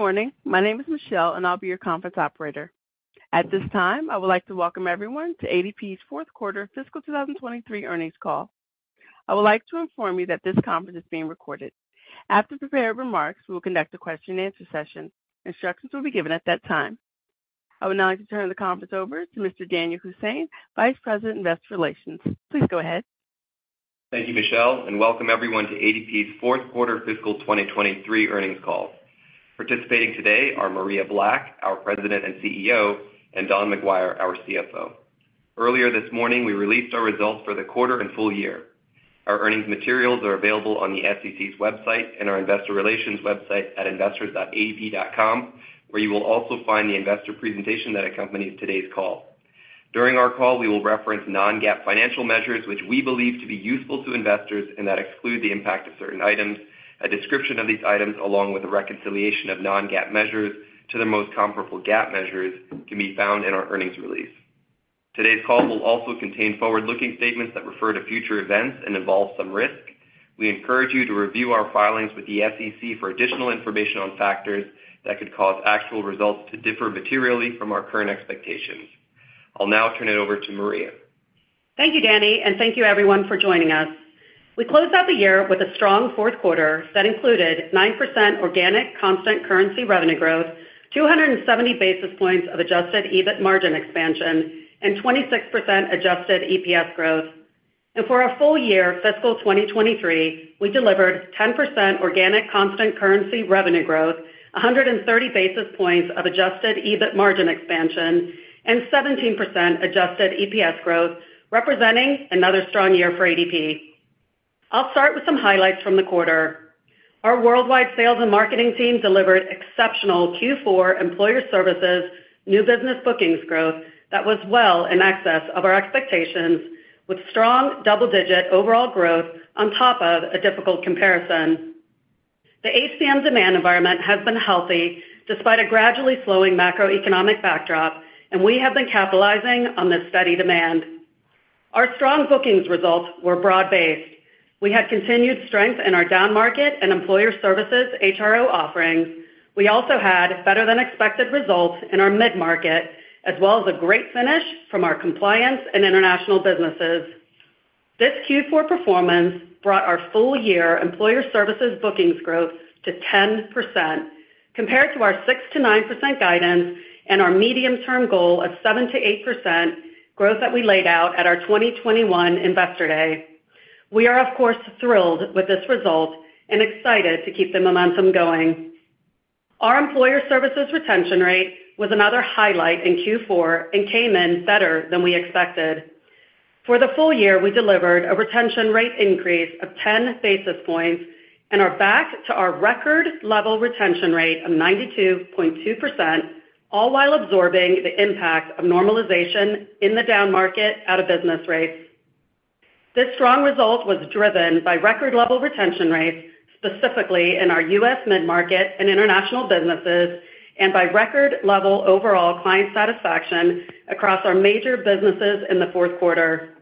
Good morning. My name is Michelle, and I'll be your conference operator. At this time, I would like to welcome everyone to ADP's fourth quarter fiscal 2023 earnings call. I would like to inform you that this conference is being recorded. After the prepared remarks, we will conduct a question-and-answer session. Instructions will be given at that time. I would now like to turn the conference over to Mr. Danyal Hussain, Vice President, Investor Relations. Please go ahead. Thank you, Michelle, and welcome everyone to ADP's fourth quarter fiscal 2023 earnings call. Participating today are Maria Black, our President and Chief Executive Officer, and Don McGuire, our Chief Financial Officer. Earlier this morning, we released our results for the quarter and full year. Our earnings materials are available on the SEC's website and our investor relations website at investors.adp.com, where you will also find the investor presentation that accompanies today's call. During our call, we will reference non-GAAP financial measures, which we believe to be useful to investors and that exclude the impact of certain items. A description of these items, along with a reconciliation of non-GAAP measures to the most comparable GAAP measures, can be found in our earnings release. Today's call will also contain forward-looking statements that refer to future events and involve some risk. We encourage you to review our filings with the SEC for additional information on factors that could cause actual results to differ materially from our current expectations. I'll now turn it over to Maria. Thank you, Danyal. Thank you everyone for joining us. We closed out the year with a strong fourth quarter that included 9% organic constant currency revenue growth, 270 basis points of Adjusted EBIT margin expansion, and 26% Adjusted EPS growth. For our full year, fiscal 2023, we delivered 10% organic constant currency revenue growth, 130 basis points of Adjusted EBIT margin expansion, and 17% Adjusted EPS growth, representing another strong year for ADP. I'll start with some highlights from the quarter. Our worldwide sales and marketing team delivered exceptional Q4 employer services, new business bookings growth that was well in excess of our expectations, with strong double-digit overall growth on top of a difficult comparison. The HCM demand environment has been healthy despite a gradually slowing macroeconomic backdrop, and we have been capitalizing on this steady demand. Our strong bookings results were broad-based. We had continued strength in our downmarket and employer services HRO offerings. We had better-than-expected results in our mid-market, as well as a great finish from our compliance and international businesses. This Q4 performance brought our full-year employer services bookings growth to 10%, compared to our 6%-9% guidance and our medium-term goal of 7%-8% growth that we laid out at our 2021 Investor Day. We are, of course, thrilled with this result and excited to keep the momentum going. Our employer services retention rate was another highlight in Q4 and came in better than we expected. For the full year, we delivered a retention rate increase of 10 basis points and are back to our record-level retention rate of 92.2%, all while absorbing the impact of normalization in the downmarket out-of-business rates. This strong result was driven by record-level retention rates, specifically in our U.S. mid-market and international businesses, and by record-level overall client satisfaction across our major businesses in the fourth quarter.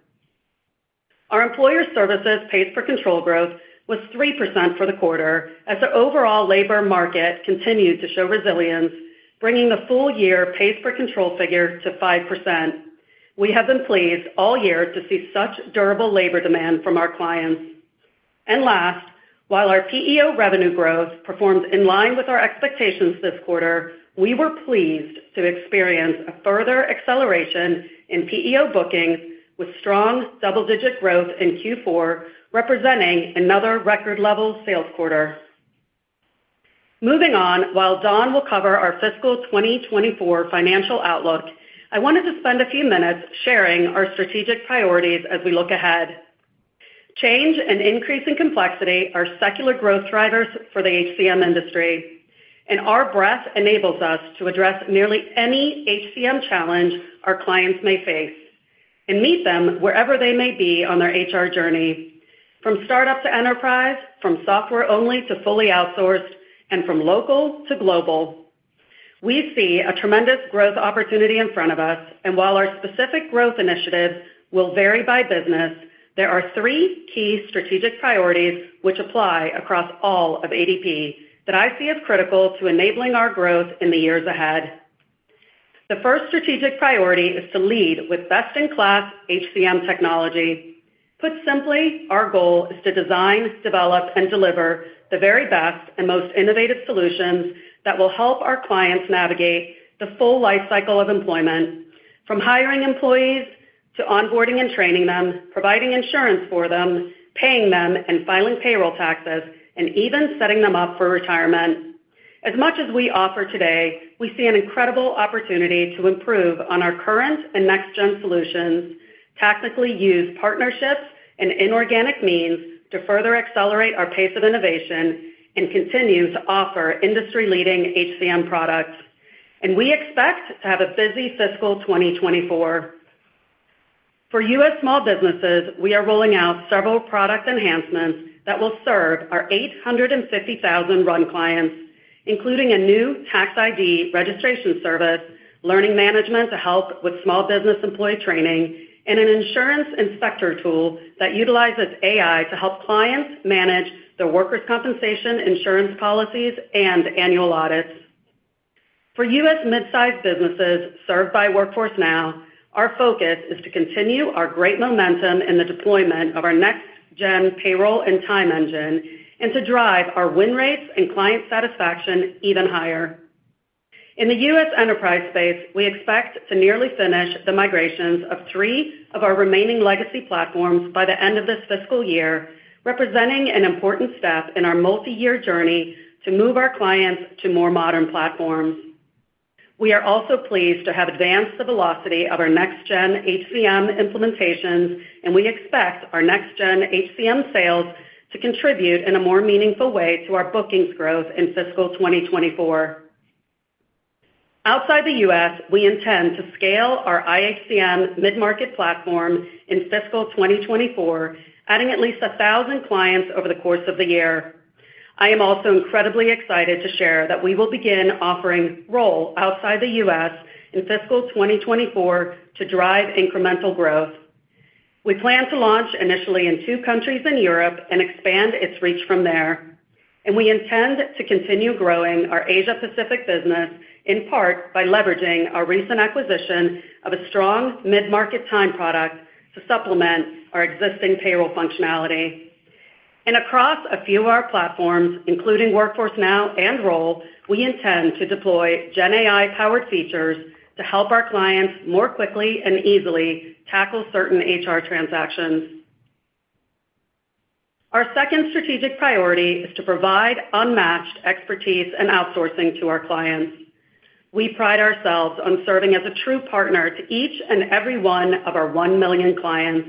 Our Employer Services pays per control growth was 3% for the quarter as the overall labor market continued to show resilience, bringing the full-year pays per control figure to 5%. We have been pleased all year to see such durable labor demand from our clients. Last, while our PEO revenue growth performed in line with our expectations this quarter, we were pleased to experience a further acceleration in PEO bookings, with strong double-digit growth in Q4, representing another record-level sales quarter. Moving on, while Don will cover our fiscal 2024 financial outlook, I wanted to spend a few minutes sharing our strategic priorities as we look ahead. Change and increase in complexity are secular growth drivers for the HCM industry, and our breadth enables us to address nearly any HCM challenge our clients may face and meet them wherever they may be on their HR journey, from startup to enterprise, from software-only to fully outsourced, and from local to global. We see a tremendous growth opportunity in front of us, and while our specific growth initiatives will vary by business, there are three key strategic priorities which apply across all of ADP that I see as critical to enabling our growth in the years ahead. The first strategic priority is to lead with best-in-class HCM technology. Put simply, our goal is to design, develop, and deliver the very best and most innovative solutions that will help our clients navigate the full life cycle of employment, from hiring employees to onboarding and training them, providing insurance for them, paying them, and filing payroll taxes, and even setting them up for retirement. As much as we offer today, we see an incredible opportunity to improve on our current and next-gen solutions, tactically use partnerships and inorganic means to further accelerate our pace of innovation and continue to offer industry-leading HCM products. We expect to have a busy fiscal 2024. For U.S. small businesses, we are rolling out several product enhancements that will serve our 850,000 RUN clients, including a new tax ID registration service, learning management to help with small business employee training, and an insurance inspector tool that utilizes AI to help clients manage their workers' compensation, insurance policies, and annual audits. For U.S. midsize businesses served by Workforce Now, our focus is to continue our great momentum in the deployment of our next-gen payroll and time engine, and to drive our win rates and client satisfaction even higher. In the U.S. enterprise space, we expect to nearly finish the migrations of three of our remaining legacy platforms by the end of this fiscal year, representing an important step in our multi-year journey to move our clients to more modern platforms. We are also pleased to have advanced the velocity of our next-gen HCM implementations. We expect our next-gen HCM sales to contribute in a more meaningful way to our bookings growth in fiscal 2024. Outside the U.S., we intend to scale our iHCM mid-market platform in fiscal 2024, adding at least 1,000 clients over the course of the year. I am also incredibly excited to share that we will begin offering Roll outside the U.S. in fiscal 2024 to drive incremental growth. We plan to launch initially in two countries in Europe and expand its reach from there. We intend to continue growing our Asia-Pacific business, in part by leveraging our recent acquisition of a strong mid-market time product to supplement our existing payroll functionality. Across a few of our platforms, including Workforce Now and Roll, we intend to deploy Gen AI-powered features to help our clients more quickly and easily tackle certain HR transactions. Our second strategic priority is to provide unmatched expertise and outsourcing to our clients. We pride ourselves on serving as a true partner to each and every one of our 1 million clients.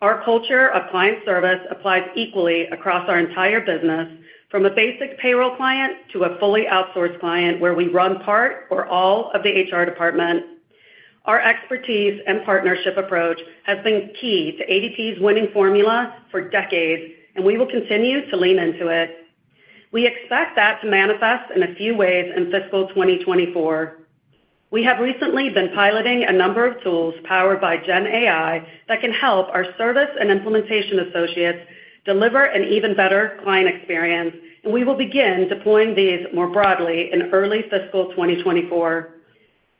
Our culture of client service applies equally across our entire business, from a basic payroll client to a fully outsourced client, where we run part or all of the HR department. Our expertise and partnership approach has been key to ADP's winning formula for decades, and we will continue to lean into it. We expect that to manifest in a few ways in fiscal 2024. We have recently been piloting a number of tools powered by Gen AI that can help our service and implementation associates deliver an even better client experience, and we will begin deploying these more broadly in early fiscal 2024.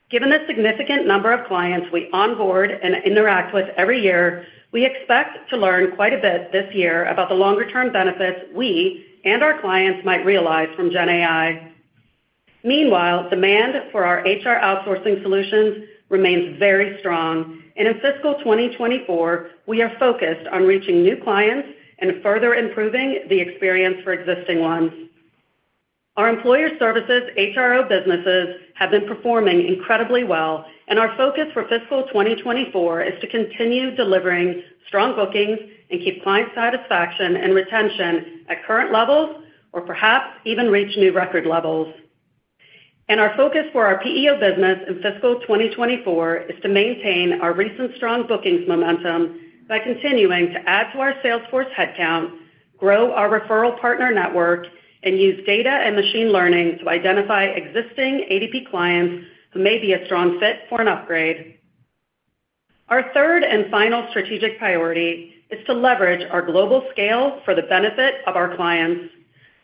Given the significant number of clients we onboard and interact with every year, we expect to learn quite a bit this year about the longer-term benefits we and our clients might realize from Gen AI. Meanwhile, demand for our HR outsourcing solutions remains very strong, and in fiscal 2024, we are focused on reaching new clients and further improving the experience for existing ones. Our employer services HRO businesses have been performing incredibly well, and our focus for fiscal 2024 is to continue delivering strong bookings and keep client satisfaction and retention at current levels, or perhaps even reach new record levels. Our focus for our PEO business in fiscal 2024 is to maintain our recent strong bookings momentum by continuing to add to our sales force headcount, grow our referral partner network, and use data and machine learning to identify existing ADP clients who may be a strong fit for an upgrade. Our third and final strategic priority is to leverage our global scale for the benefit of our clients.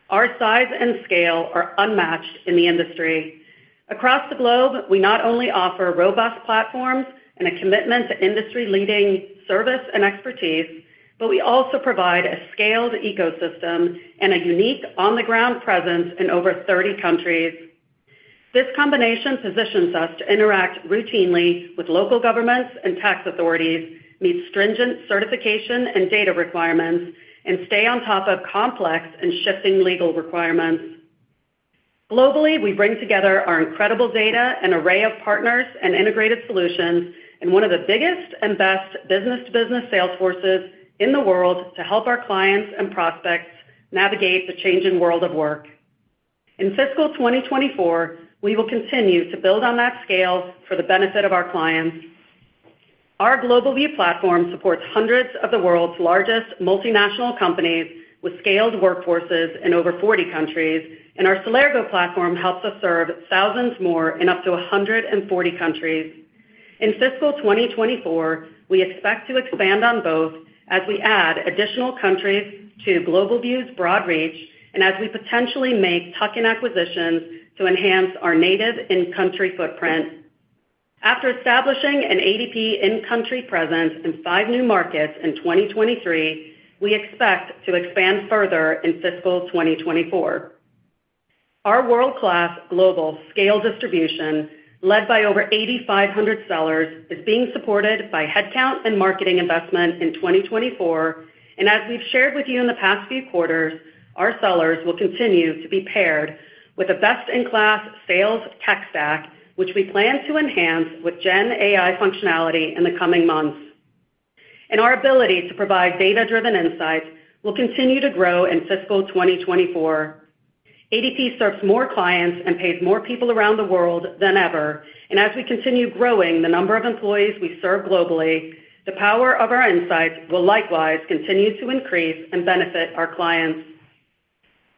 Our size and scale are unmatched in the industry. Across the globe, we not only offer robust platforms and a commitment to industry-leading service and expertise, but we also provide a scaled ecosystem and a unique on-the-ground presence in over 30 countries. This combination positions us to interact routinely with local governments and tax authorities, meet stringent certification and data requirements, and stay on top of complex and shifting legal requirements. Globally, we bring together our incredible data and array of partners and integrated solutions and one of the biggest and best business-to-business sales forces in the world to help our clients and prospects navigate the changing world of work. In fiscal 2024, we will continue to build on that scale for the benefit of our clients. Our GlobalView platform supports hundreds of the world's largest multinational companies with scaled workforces in over 40 countries, and our Celergo platform helps us serve thousands more in up to 140 countries. In fiscal 2024, we expect to expand on both as we add additional countries to GlobalView's broad reach and as we potentially make tuck-in acquisitions to enhance our native in-country footprint. After establishing an ADP in-country presence in five new markets in 2023, we expect to expand further in fiscal 2024. Our world-class global scale distribution, led by over 8,500 sellers, is being supported by headcount and marketing investment in 2024. As we've shared with you in the past few quarters, our sellers will continue to be paired with a best-in-class sales tech stack, which we plan to enhance with Gen AI functionality in the coming months. Our ability to provide data-driven insights will continue to grow in fiscal 2024. ADP serves more clients and pays more people around the world than ever. As we continue growing the number of employees we serve globally, the power of our insights will likewise continue to increase and benefit our clients.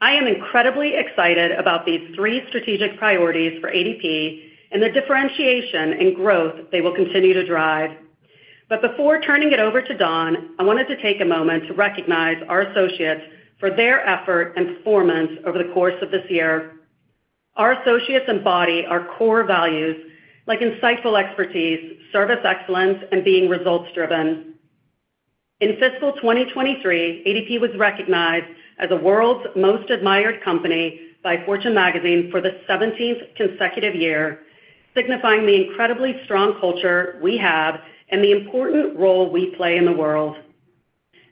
I am incredibly excited about these three strategic priorities for ADP and the differentiation and growth they will continue to drive. Before turning it over to Don, I wanted to take a moment to recognize our associates for their effort and performance over the course of this year. Our associates embody our core values, like insightful expertise, service excellence, and being results-driven. In fiscal 2023, ADP was recognized as the world's most admired company by Fortune Magazine for the 17th consecutive year, signifying the incredibly strong culture we have and the important role we play in the world.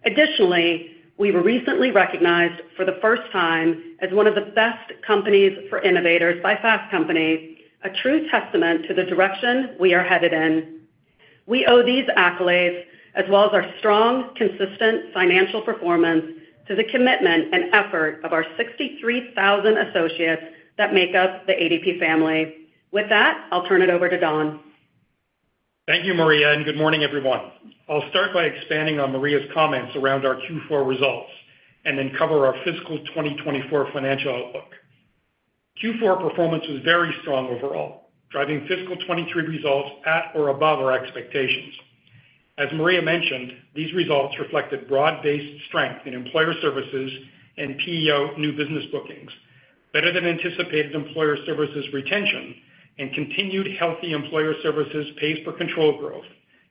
Additionally, we were recently recognized for the first time as one of the best companies for innovators by Fast Company, a true testament to the direction we are headed in. We owe these accolades, as well as our strong, consistent financial performance, to the commitment and effort of our 63,000 associates that make up the ADP family. With that, I'll turn it over to Don. Thank you, Maria, and good morning, everyone. I'll start by expanding on Maria's comments around our Q4 results and then cover our fiscal 2024 financial outlook. Q4 performance was very strong overall, driving fiscal 2023 results at or above our expectations. As Maria mentioned, these results reflected broad-based strength in Employer Services and PEO new business bookings, better than anticipated Employer Services retention, and continued healthy Employer Services pays per control growth,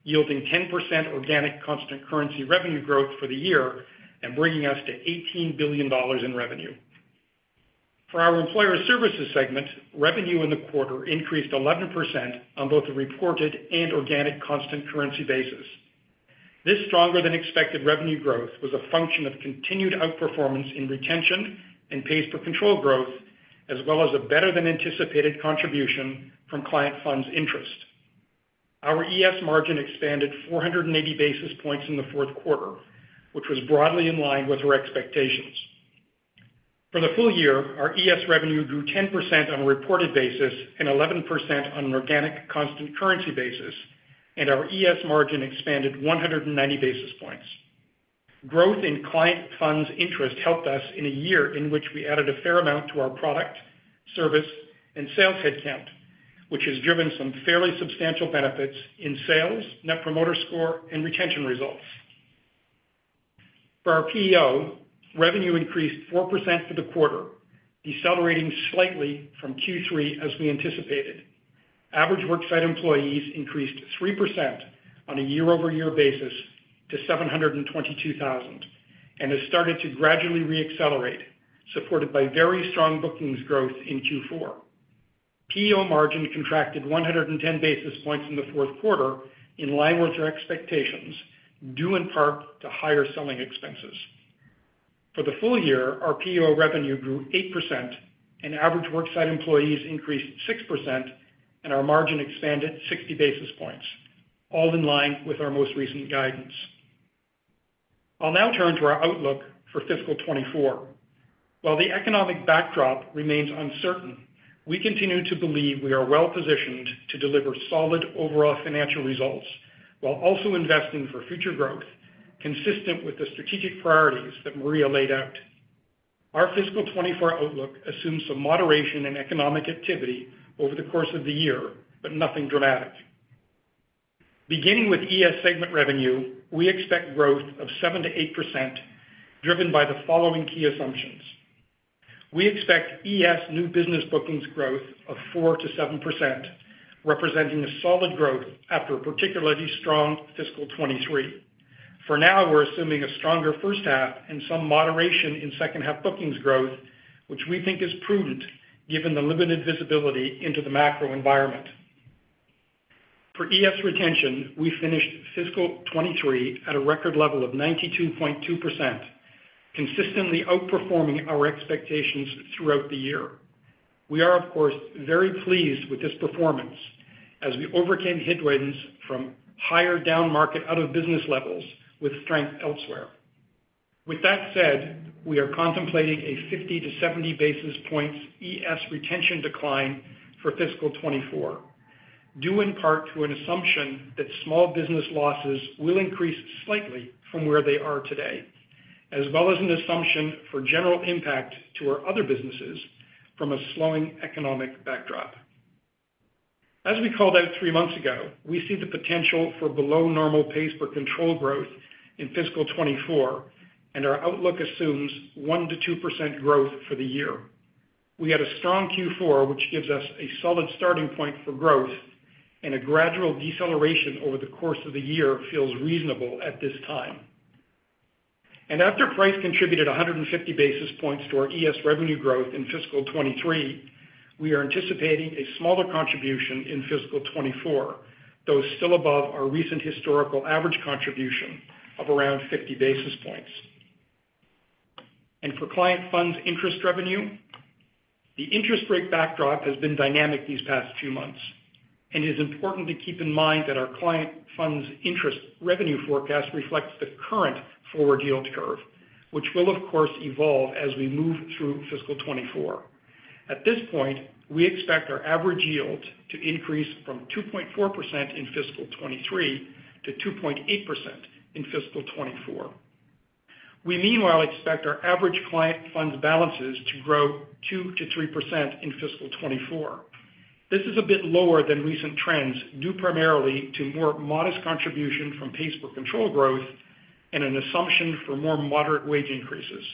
yielding 10% organic constant currency revenue growth for the year and bringing us to $18 billion in revenue. For our Employer Services segment, revenue in the quarter increased 11% on both a reported and organic constant currency basis. This stronger than expected revenue growth was a function of continued outperformance in retention and pays per control growth, as well as a better than anticipated contribution from client funds interest. Our ES margin expanded 480 basis points in the fourth quarter, which was broadly in line with our expectations. For the full year, our ES revenue grew 10% on a reported basis and 11% on an organic constant currency basis, and our ES margin expanded 190 basis points. Growth in client funds interest helped us in a year in which we added a fair amount to our product, service, and sales headcount, which has driven some fairly substantial benefits in sales, Net Promoter Score, and retention results. For our PEO, revenue increased 4% for the quarter, decelerating slightly from Q3, as we anticipated. Average worksite employees increased 3% on a year-over-year basis to 722,000 and has started to gradually reaccelerate, supported by very strong bookings growth in Q4. PEO margin contracted 110 basis points in the fourth quarter, in line with our expectations, due in part to higher selling expenses. For the full year, our PEO revenue grew 8%, and average worksite employees increased 6%, and our margin expanded 60 basis points, all in line with our most recent guidance. I'll now turn to our outlook for fiscal 2024. While the economic backdrop remains uncertain, we continue to believe we are well-positioned to deliver solid overall financial results while also investing for future growth, consistent with the strategic priorities that Maria laid out. Our fiscal 2024 outlook assumes some moderation in economic activity over the course of the year, but nothing dramatic. Beginning with ES segment revenue, we expect growth of 7%-8%, driven by the following key assumptions. We expect ES new business bookings growth of 4%-7%, representing a solid growth after a particularly strong fiscal 2023. For now, we're assuming a stronger first half and some moderation in second-half bookings growth, which we think is prudent given the limited visibility into the macro environment. For ES retention, we finished fiscal 2023 at a record level of 92.2%, consistently outperforming our expectations throughout the year. We are, of course, very pleased with this performance as we overcame headwinds from higher down market out-of-business levels with strength elsewhere. With that said, we are contemplating a 50-70 basis points ES retention decline for fiscal 2024, due in part to an assumption that small business losses will increase slightly from where they are today, as well as an assumption for general impact to our other businesses from a slowing economic backdrop. As we called out three months ago, we see the potential for below-normal pays per control growth in fiscal 2024, and our outlook assumes 1%-2% growth for the year. We had a strong Q4, which gives us a solid starting point for growth, a gradual deceleration over the course of the year feels reasonable at this time. After price contributed 150 basis points to our ES revenue growth in fiscal 2023, we are anticipating a smaller contribution in fiscal 2024, though still above our recent historical average contribution of around 50 basis points. For client funds interest revenue, the interest rate backdrop has been dynamic these past few months, and it is important to keep in mind that our client funds interest revenue forecast reflects the current forward yield curve, which will, of course, evolve as we move through fiscal 2024. At this point, we expect our average yield to increase from 2.4% in fiscal 2023 to 2.8% in fiscal 2024. We meanwhile expect our average client funds balances to grow 2%-3% in fiscal 2024. This is a bit lower than recent trends, due primarily to more modest contribution from pays per control growth and an assumption for more moderate wage increases.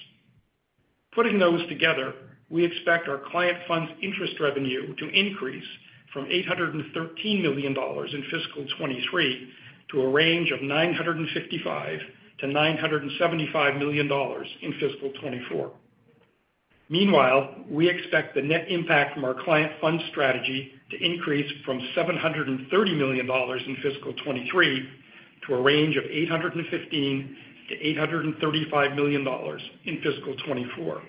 Putting those together, we expect our client funds interest revenue to increase from $813 million in fiscal 2023 to a range of $955 million-$975 million in fiscal 2024. We expect the net impact from our client funds strategy to increase from $730 million in fiscal 2023 to a range of $815 million-$835 million in fiscal 2024.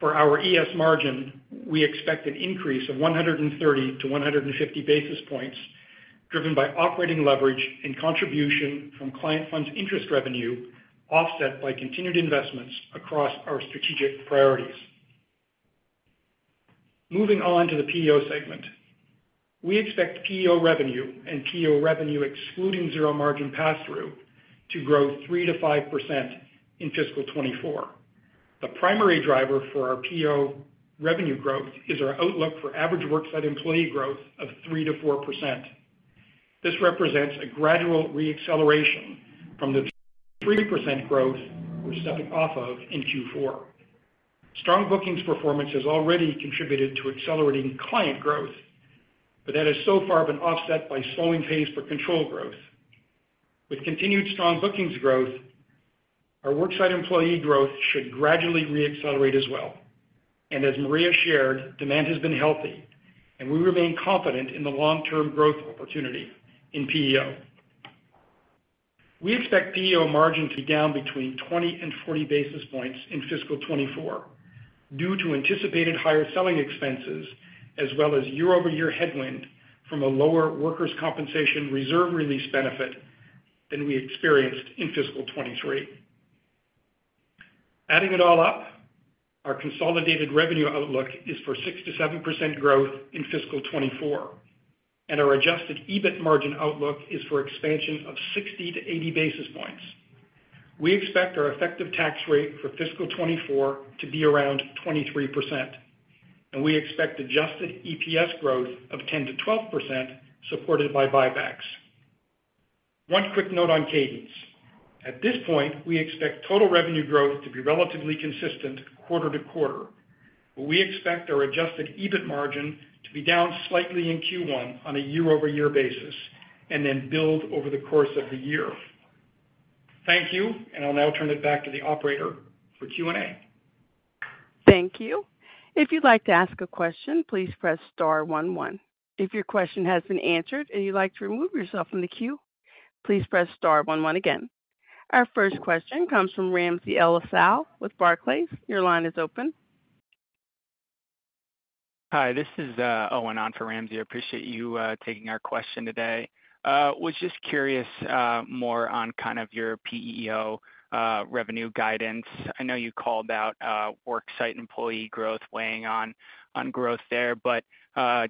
For our ES margin, we expect an increase of 130-150 basis points, driven by operating leverage and contribution from client funds interest revenue, offset by continued investments across our strategic priorities. Moving on to the PEO segment. We expect PEO revenue and PEO revenue, excluding zero margin pass-through, to grow 3%-5% in fiscal 2024. The primary driver for our PEO revenue growth is our outlook for average worksite employee growth of 3%-4%. This represents a gradual re-acceleration from the 3% growth we're stepping off of in Q4. Strong bookings performance has already contributed to accelerating client growth, that has so far been offset by slowing pays per control growth. With continued strong bookings growth, our worksite employee growth should gradually re-accelerate as well. As Maria shared, demand has been healthy, and we remain confident in the long-term growth opportunity in PEO. We expect PEO margin to be down between 20 and 40 basis points in fiscal 2024 due to anticipated higher selling expenses, as well as year-over-year headwind from a lower workers' compensation reserve release benefit than we experienced in fiscal 2023. Adding it all up, our consolidated revenue outlook is for 6% to 7% growth in fiscal 2024, and our adjusted EBIT margin outlook is for expansion of 60 to 80 basis points. We expect our effective tax rate for fiscal 2024 to be around 23%, and we expect Adjusted EPS growth of 10%-12%, supported by buybacks. One quick note on cadence. At this point, we expect total revenue growth to be relatively consistent quarter to quarter, but we expect our Adjusted EBIT margin to be down slightly in Q1 on a year-over-year basis, and then build over the course of the year. Thank you. I'll now turn it back to the operator for Q&A. Thank you. If you'd like to ask a question, please press star one. If your question has been answered and you'd like to remove yourself from the queue, please press star one again. Our first question comes from Ramsey El-Assal with Barclays. Your line is open. Hi, this is Owen on for Ramsey. I appreciate you taking our question today. Was just curious more on kind of your PEO revenue guidance. I know you called out worksite employee growth weighing on growth there, but you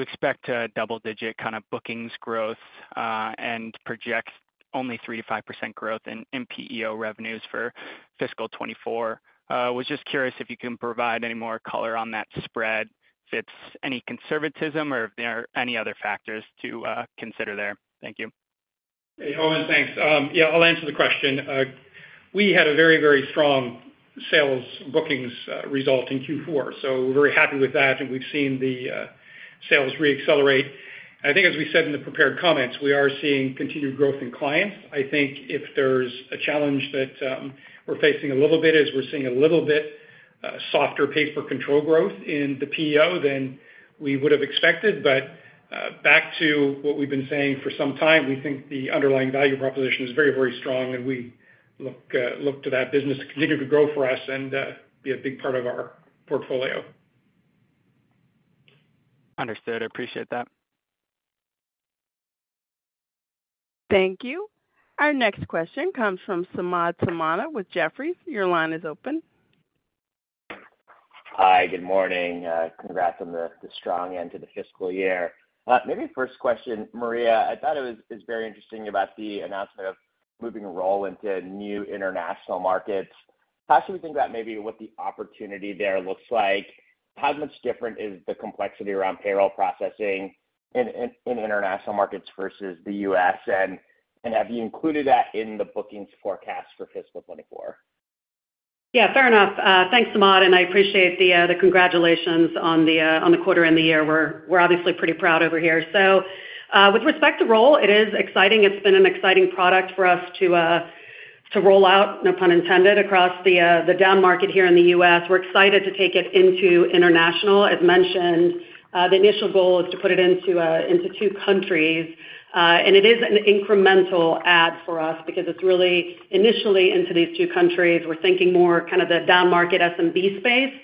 expect a double-digit kind of bookings growth and projects only 3%-5% growth in PEO revenues for fiscal 2024. Was just curious if you can provide any more color on that spread, if it's any conservatism or if there are any other factors to consider there? Thank you. Hey, Owen, thanks. Yeah, I'll answer the question. We had a very, very strong sales bookings result in Q4, so we're very happy with that, and we've seen the sales re-accelerate. I think as we said in the prepared comments, we are seeing continued growth in clients. I think if there's a challenge that we're facing a little bit, is we're seeing a little bit softer pays per control growth in the PEO than we would have expected. Back to what we've been saying for some time, we think the underlying value proposition is very, very strong, and we look to that business to continue to grow for us and be a big part of our portfolio. Understood. I appreciate that. Thank you. Our next question comes from Samad Samana with Jefferies. Your line is open. Hi, good morning. Congrats on the strong end to the fiscal year. Maybe first question, Maria. I thought it was very interesting about the announcement of moving Roll into new international markets. How should we think about maybe what the opportunity there looks like? How much different is the complexity around payroll processing in international markets versus the U.S.? Have you included that in the bookings forecast for fiscal 2024? Yeah, fair enough. Thanks, Samad, and I appreciate the congratulations on the quarter and the year. We're obviously pretty proud over here. With respect to Roll, it is exciting. It's been an exciting product for us to roll out, no pun intended, across the down market here in the U.S. We're excited to take it into international. As mentioned, the initial goal is to put it into two countries, and it is an incremental add for us because it's really initially into these two countries. We're thinking more kind of the down market SMB space,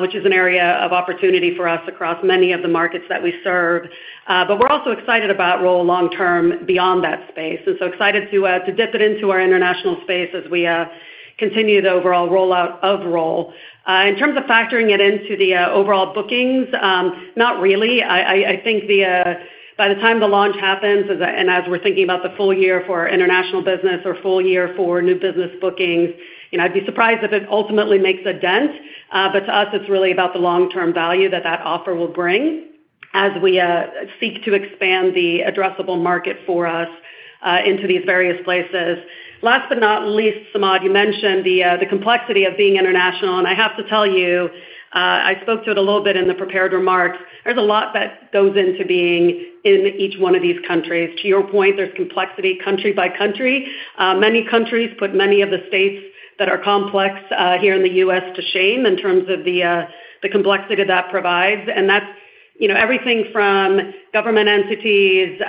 which is an area of opportunity for us across many of the markets that we serve. We're also excited about Roll long term beyond that space, and so excited to dip it into our international space as we continue the overall rollout of Roll. In terms of factoring it into the overall bookings, not really. I think the by the time the launch happens, and as we're thinking about the full year for our international business or full year for new business bookings, you know, I'd be surprised if it ultimately makes a dent. To us, it's really about the long-term value that that offer will bring as we seek to expand the addressable market for us into these various places. Last but not least, Samad, you mentioned the complexity of being international, and I have to tell you, I spoke to it a little bit in the prepared remarks. There's a lot that goes into being in each one of these countries. To your point, there's complexity country by country. Many countries put many of the states that are complex here in the U.S. to shame in terms of the complexity that provides. That's, you know, everything from government entities,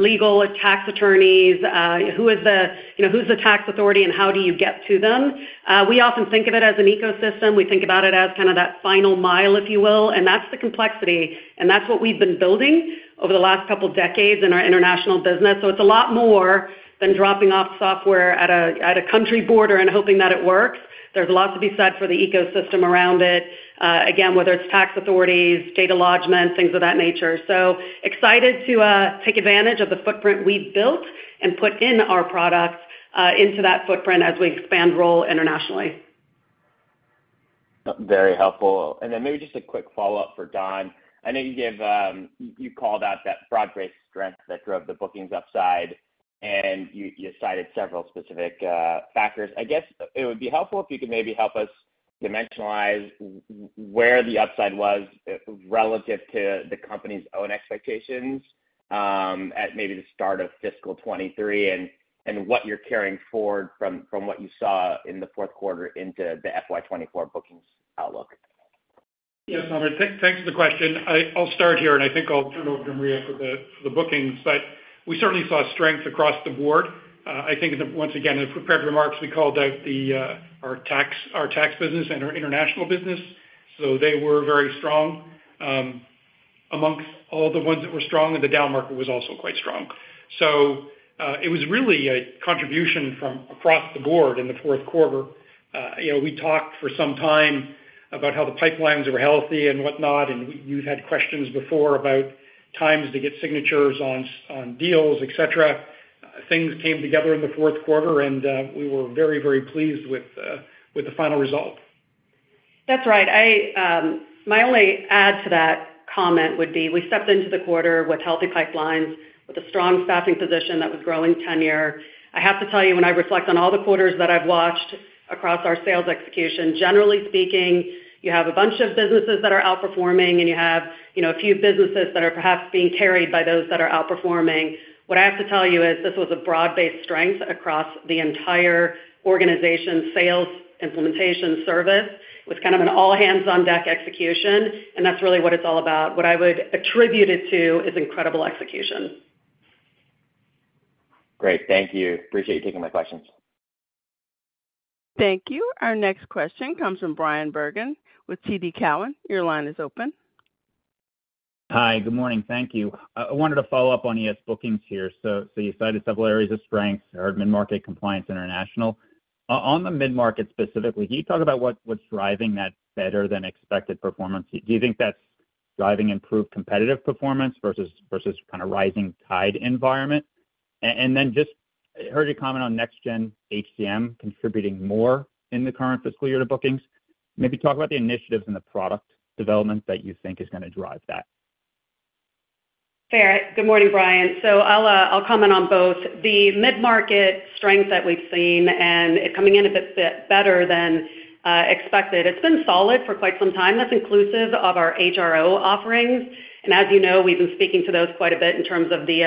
legal and tax attorneys, who is the, you know, who's the tax authority, and how do you get to them? We often think of it as an ecosystem. We think about it as kind of that final mile, if you will, and that's the complexity, and that's what we've been building over the last couple of decades in our international business. It's a lot more than dropping off software at a country border and hoping that it works. There's a lot to be said for the ecosystem around it, again, whether it's tax authorities, data lodgement, things of that nature. Excited to take advantage of the footprint we've built and put in our products into that footprint as we expand Roll internationally. Very helpful. Then maybe just a quick follow-up for Don. I know you gave, you called out that broad-based strength that drove the bookings upside, you cited several specific factors. I guess it would be helpful if you could maybe help us dimensionalize where the upside was relative to the company's own expectations, at maybe the start of fiscal 2023, what you're carrying forward from what you saw in the fourth quarter into the FY 2024 bookings outlook. Yes, Albert, thanks for the question. I'll start here, and I think I'll turn over to Maria for the bookings. We certainly saw strength across the board. I think, once again, in prepared remarks, we called out our tax business and our international business. They were very strong. Amongst all the ones that were strong, and the downmarket was also quite strong. It was really a contribution from across the board in the fourth quarter. You know, we talked for some time about how the pipelines were healthy and whatnot, and we. You've had questions before about times to get signatures on deals, etc.. Things came together in the fourth quarter, and we were very pleased with the final result. That's right. I, my only add to that comment would be, we stepped into the quarter with healthy pipelines, with a strong staffing position that was growing tenure. I have to tell you, when I reflect on all the quarters that I've watched across our sales execution, generally speaking, you have a bunch of businesses that are outperforming, and you have, you know, a few businesses that are perhaps being carried by those that are outperforming. What I have to tell you is, this was a broad-based strength across the entire organization, sales, implementation, service, with kind of an all hands on deck execution, and that's really what it's all about. What I would attribute it to is incredible execution. Great. Thank you. Appreciate you taking my questions. Thank you. Our next question comes from Bryan Bergin with TD Cowen. Your line is open. Hi, good morning. Thank you. I wanted to follow up on ES bookings here. You cited several areas of strength, our mid-market, compliance, international. On the mid-market specifically, can you talk about what's driving that better than expected performance? Do you think that's driving improved competitive performance versus kind of rising tide environment? Then just, I heard you comment on next gen HCM contributing more in the current fiscal year to bookings. Maybe talk about the initiatives and the product development that you think is going to drive that. Fair. Good morning, Bryan. I'll comment on both. The mid-market strength that we've seen and it coming in a bit better than expected. It's been solid for quite some time. That's inclusive of our HRO offerings, and as you know, we've been speaking to those quite a bit in terms of the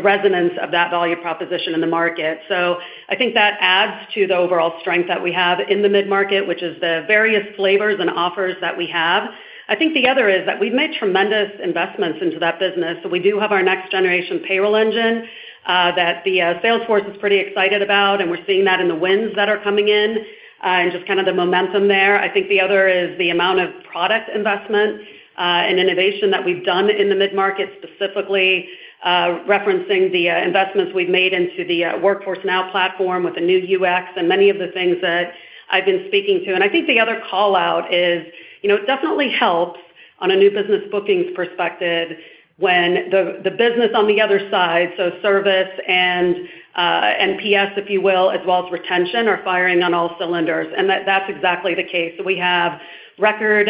resonance of that value proposition in the market. I think that adds to the overall strength that we have in the mid-market, which is the various flavors and offers that we have. I think the other is that we've made tremendous investments into that business. We do have our next generation payroll engine that the sales force is pretty excited about, and we're seeing that in the wins that are coming in and just kind of the momentum there. I think the other is the amount of product investment and innovation that we've done in the mid-market, specifically, referencing the investments we've made into the Workforce Now platform with the new UX and many of the things that I've been speaking to. I think the other call-out is, you know, it definitely helps on a new business bookings perspective when the business on the other side, so service and NPS, if you will, as well as retention, are firing on all cylinders. That's exactly the case. We have record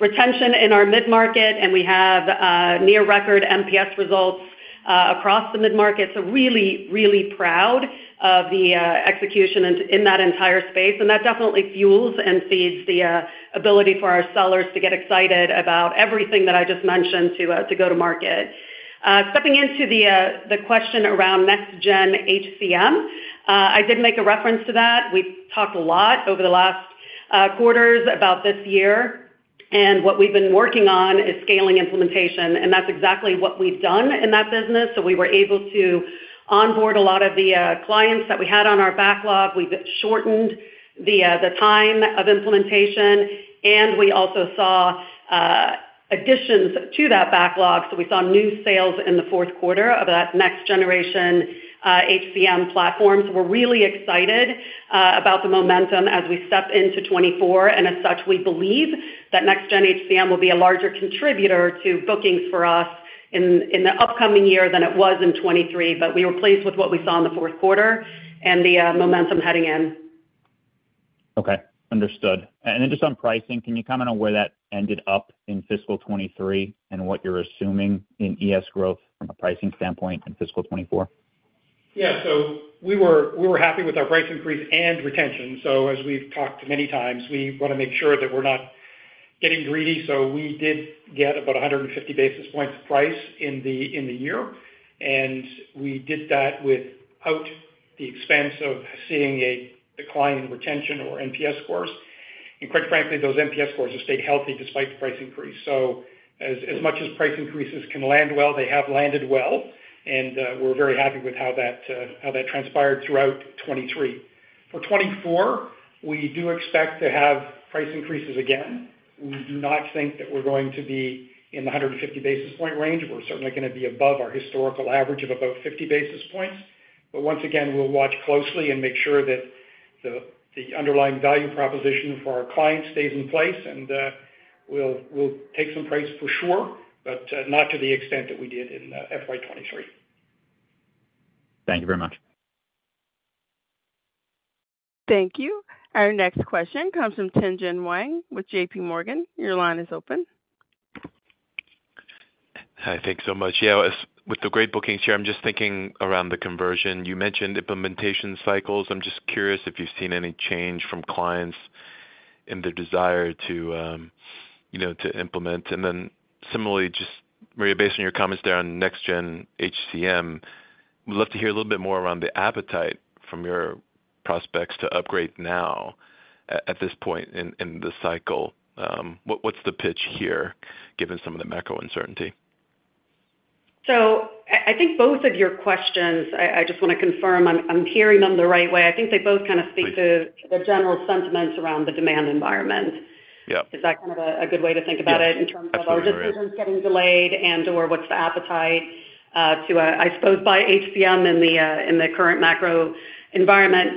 retention in our mid-market, and we have near record NPS results across the mid-market. Really, really proud of the execution in that entire space, and that definitely fuels and feeds the ability for our sellers to get excited about everything that I just mentioned to go to market. Stepping into the question around next gen HCM, I did make a reference to that. We've talked a lot over the last quarters about this year, and what we've been working on is scaling implementation, and that's exactly what we've done in that business. We were able to onboard a lot of the clients that we had on our backlog. We've shortened the time of implementation, and we also saw additions to that backlog. We saw new sales in the fourth quarter of that next generation HCM platform. We're really excited about the momentum as we step into 2024. As such, we believe that next gen HCM will be a larger contributor to bookings for us in the upcoming year than it was in 2023. We were pleased with what we saw in the fourth quarter and the momentum heading in. Okay, understood. Just on pricing, can you comment on where that ended up in fiscal 2023 and what you're assuming in ES growth from a pricing standpoint in fiscal 2024? Yeah. We were happy with our price increase and retention. As we've talked many times, we wanna make sure that we're not getting greedy. We did get about 150 basis points price in the year, and we did that without the expense of seeing a decline in retention or NPS scores. Quite frankly, those NPS scores have stayed healthy despite the price increase. As much as price increases can land well, they have landed well, and we're very happy with how that transpired throughout 2023. For 2024, we do expect to have price increases again. We do not think that we're going to be in the 150 basis point range. We're certainly gonna be above our historical average of about 50 basis points. Once again, we'll watch closely and make sure that the underlying value proposition for our clients stays in place, and we'll take some price for sure, but not to the extent that we did in FY 2023. Thank you very much. Thank you. Our next question comes from Tien-tsin Huang with J.P. Morgan. Your line is open. Hi, thanks so much. Yeah, as with the great bookings here, I'm just thinking around the conversion. You mentioned implementation cycles. I'm just curious if you've seen any change from clients in their desire to, you know, to implement. Similarly, just Maria, based on your comments there on next gen HCM, we'd love to hear a little bit more around the appetite from your prospects to upgrade now, at this point in the cycle. What's the pitch here, given some of the macro uncertainty? I think both of your questions, I just wanna confirm I'm hearing them the right way. I think they both kind of speak to. Please. The general sentiments around the demand environment. Yeah. Is that kind of a good way to think about it? Yes. In terms of decisions getting delayed and/or what's the appetite to, I suppose, buy HCM in the current macro environment?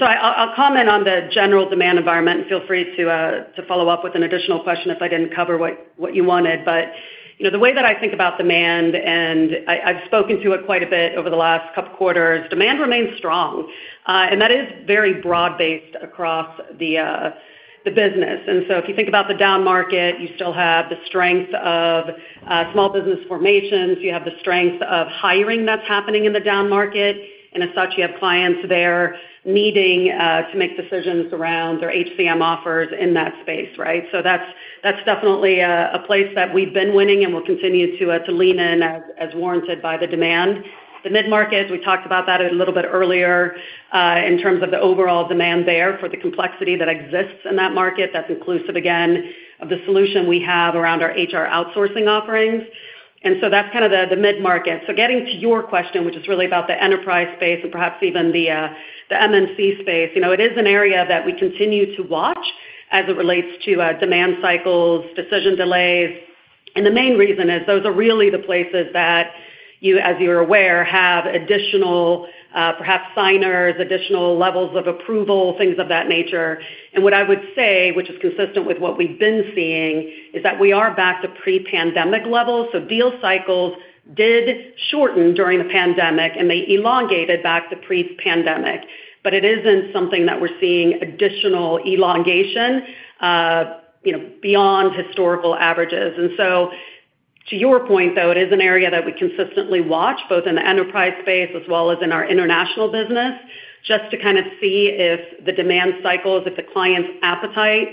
I'll comment on the general demand environment. Feel free to follow up with an additional question if I didn't cover what you wanted. You know, the way that I think about demand, and I've spoken to it quite a bit over the last couple of quarters, demand remains strong, and that is very broad-based across the business. If you think about the down market, you still have the strength of small business formations, you have the strength of hiring that's happening in the down market, and as such, you have clients there needing to make decisions around their HCM offers in that space, right? That's definitely a place that we've been winning and will continue to lean in as warranted by the demand. The mid-market, as we talked about that a little bit earlier, in terms of the overall demand there for the complexity that exists in that market, that's inclusive, again, of the solution we have around our HR outsourcing offerings. That's kind of the mid-market. Getting to your question, which is really about the enterprise space and perhaps even the MNC space, you know, it is an area that we continue to watch as it relates to demand cycles, decision delays. The main reason is those are really the places that you, as you're aware, have additional, perhaps signers, additional levels of approval, things of that nature. What I would say, which is consistent with what we've been seeing, is that we are back to pre-pandemic levels. Deal cycles did shorten during the pandemic, and they elongated back to pre-pandemic. It isn't something that we're seeing additional elongation, you know, beyond historical averages. To your point, though, it is an area that we consistently watch, both in the enterprise space as well as in our international business, just to kind of see if the demand cycles, if the client's appetite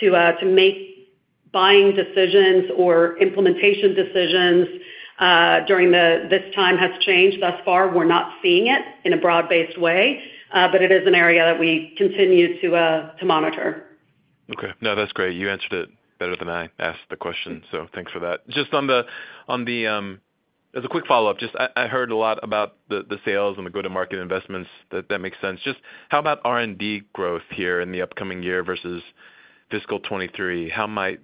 to make buying decisions or implementation decisions during this time has changed. Thus far, we're not seeing it in a broad-based way, but it is an area that we continue to monitor. No, that's great. You answered it better than I asked the question. Thanks for that. Just on the as a quick follow-up, just I heard a lot about the sales and the go-to-market investments. That makes sense. Just how about R&D growth here in the upcoming year versus fiscal 2023? How might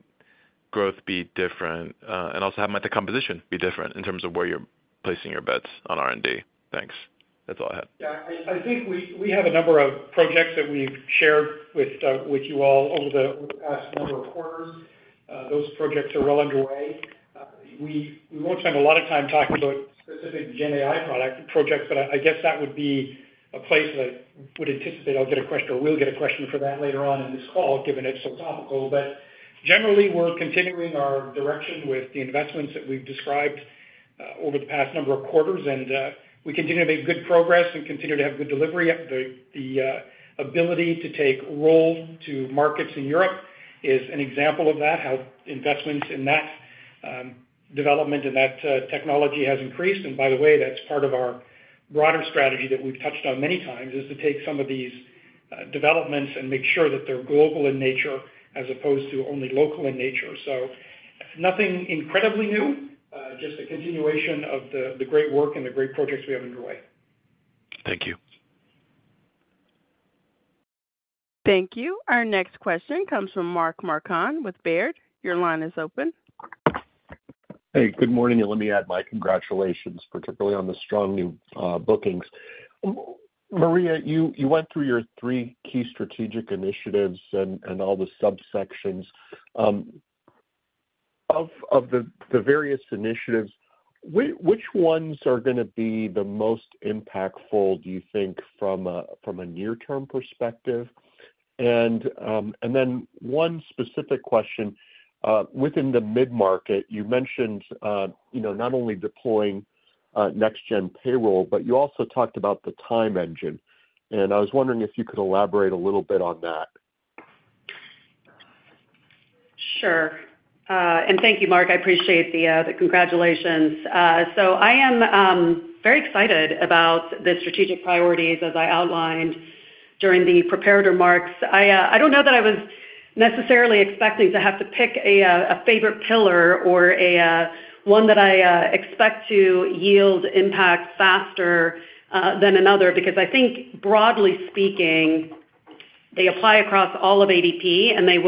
growth be different? Also, how might the composition be different in terms of where you're placing your bets on R&D? Thanks. That's all I have. Yeah, I think we have a number of projects that we've shared with you all over the past number of quarters. Those projects are well underway. We won't spend a lot of time talking about specific Gen AI product projects, but I guess that would be a place that I would anticipate I'll get a question or will get a question for that later on in this call, given it's so topical. Generally, we're continuing our direction with the investments that we've described over the past number of quarters, and we continue to make good progress and continue to have good delivery. The ability to take Roll to markets in Europe is an example of that, how investments in that development and that technology has increased. By the way, that's part of our broader strategy that we've touched on many times, is to take some of these developments and make sure that they're global in nature as opposed to only local in nature. Nothing incredibly new, just a continuation of the great work and the great projects we have underway. Thank you. Thank you. Our next question comes from Mark Marcon with Baird. Your line is open. Hey, good morning, and let me add my congratulations, particularly on the strong new bookings. Maria, you went through your three key strategic initiatives and all the subsections. Of the various initiatives, which ones are gonna be the most impactful, do you think, from a near-term perspective? One specific question, within the mid-market, you mentioned, you know, not only deploying next gen payroll, but you also talked about the time engine, and I was wondering if you could elaborate a little bit on that. Sure. Uh, and thank you, Mark, I appreciate the, uh, the congratulations. Uh, so I am, um, very excited about the strategic priorities as I outlined during the prepared remarks. I, uh, I don't know that I was necessarily expecting to have to pick a, uh, a favorite pillar or a, uh, one that I, uh, expect to yield impact faster, uh, than another, because I think broadly speaking, they apply across all of ADP, and they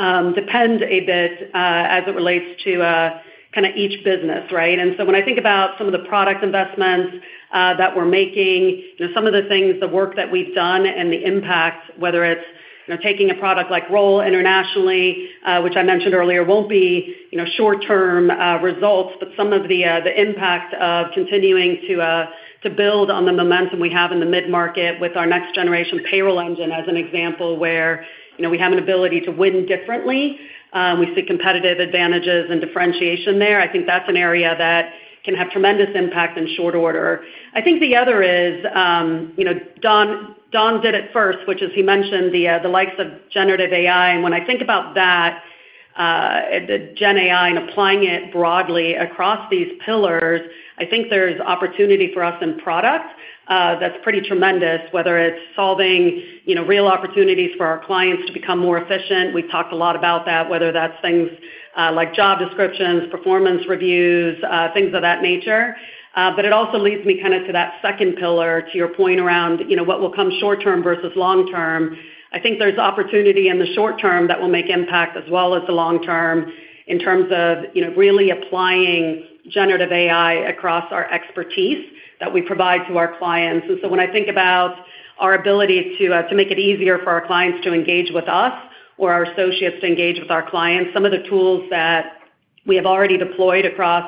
will, um, depend a bit, uh, as it relates to, uh, kinda each business, right? And so when I think about some of the product investments, uh, that we're making, you know, some of the things, the work that we've done and the impact, whether it's, you know, taking a product like Roll internationally, uh, which I mentioned earlier, won't be, you know, short-term, uh, results. Some of the impact of continuing to build on the momentum we have in the mid-market with our next generation payroll engine, as an example, where, you know, we have an ability to win differently, we see competitive advantages and differentiation there. I think that's an area that can have tremendous impact in short order. I think the other is, you know, Don did it first, which is he mentioned the likes of generative AI. When I think about that, the Gen AI and applying it broadly across these pillars, I think there's opportunity for us in product that's pretty tremendous, whether it's solving, you know, real opportunities for our clients to become more efficient. We've talked a lot about that, whether that's things like job descriptions, performance reviews, things of that nature. It also leads me kind of to that second pillar, to your point around, you know, what will come short term versus long term. I think there's opportunity in the short term that will make impact as well as the long term, in terms of, you know, really applying generative AI across our expertise that we provide to our clients. When I think about our ability to make it easier for our clients to engage with us or our associates to engage with our clients, some of the tools that we have already deployed across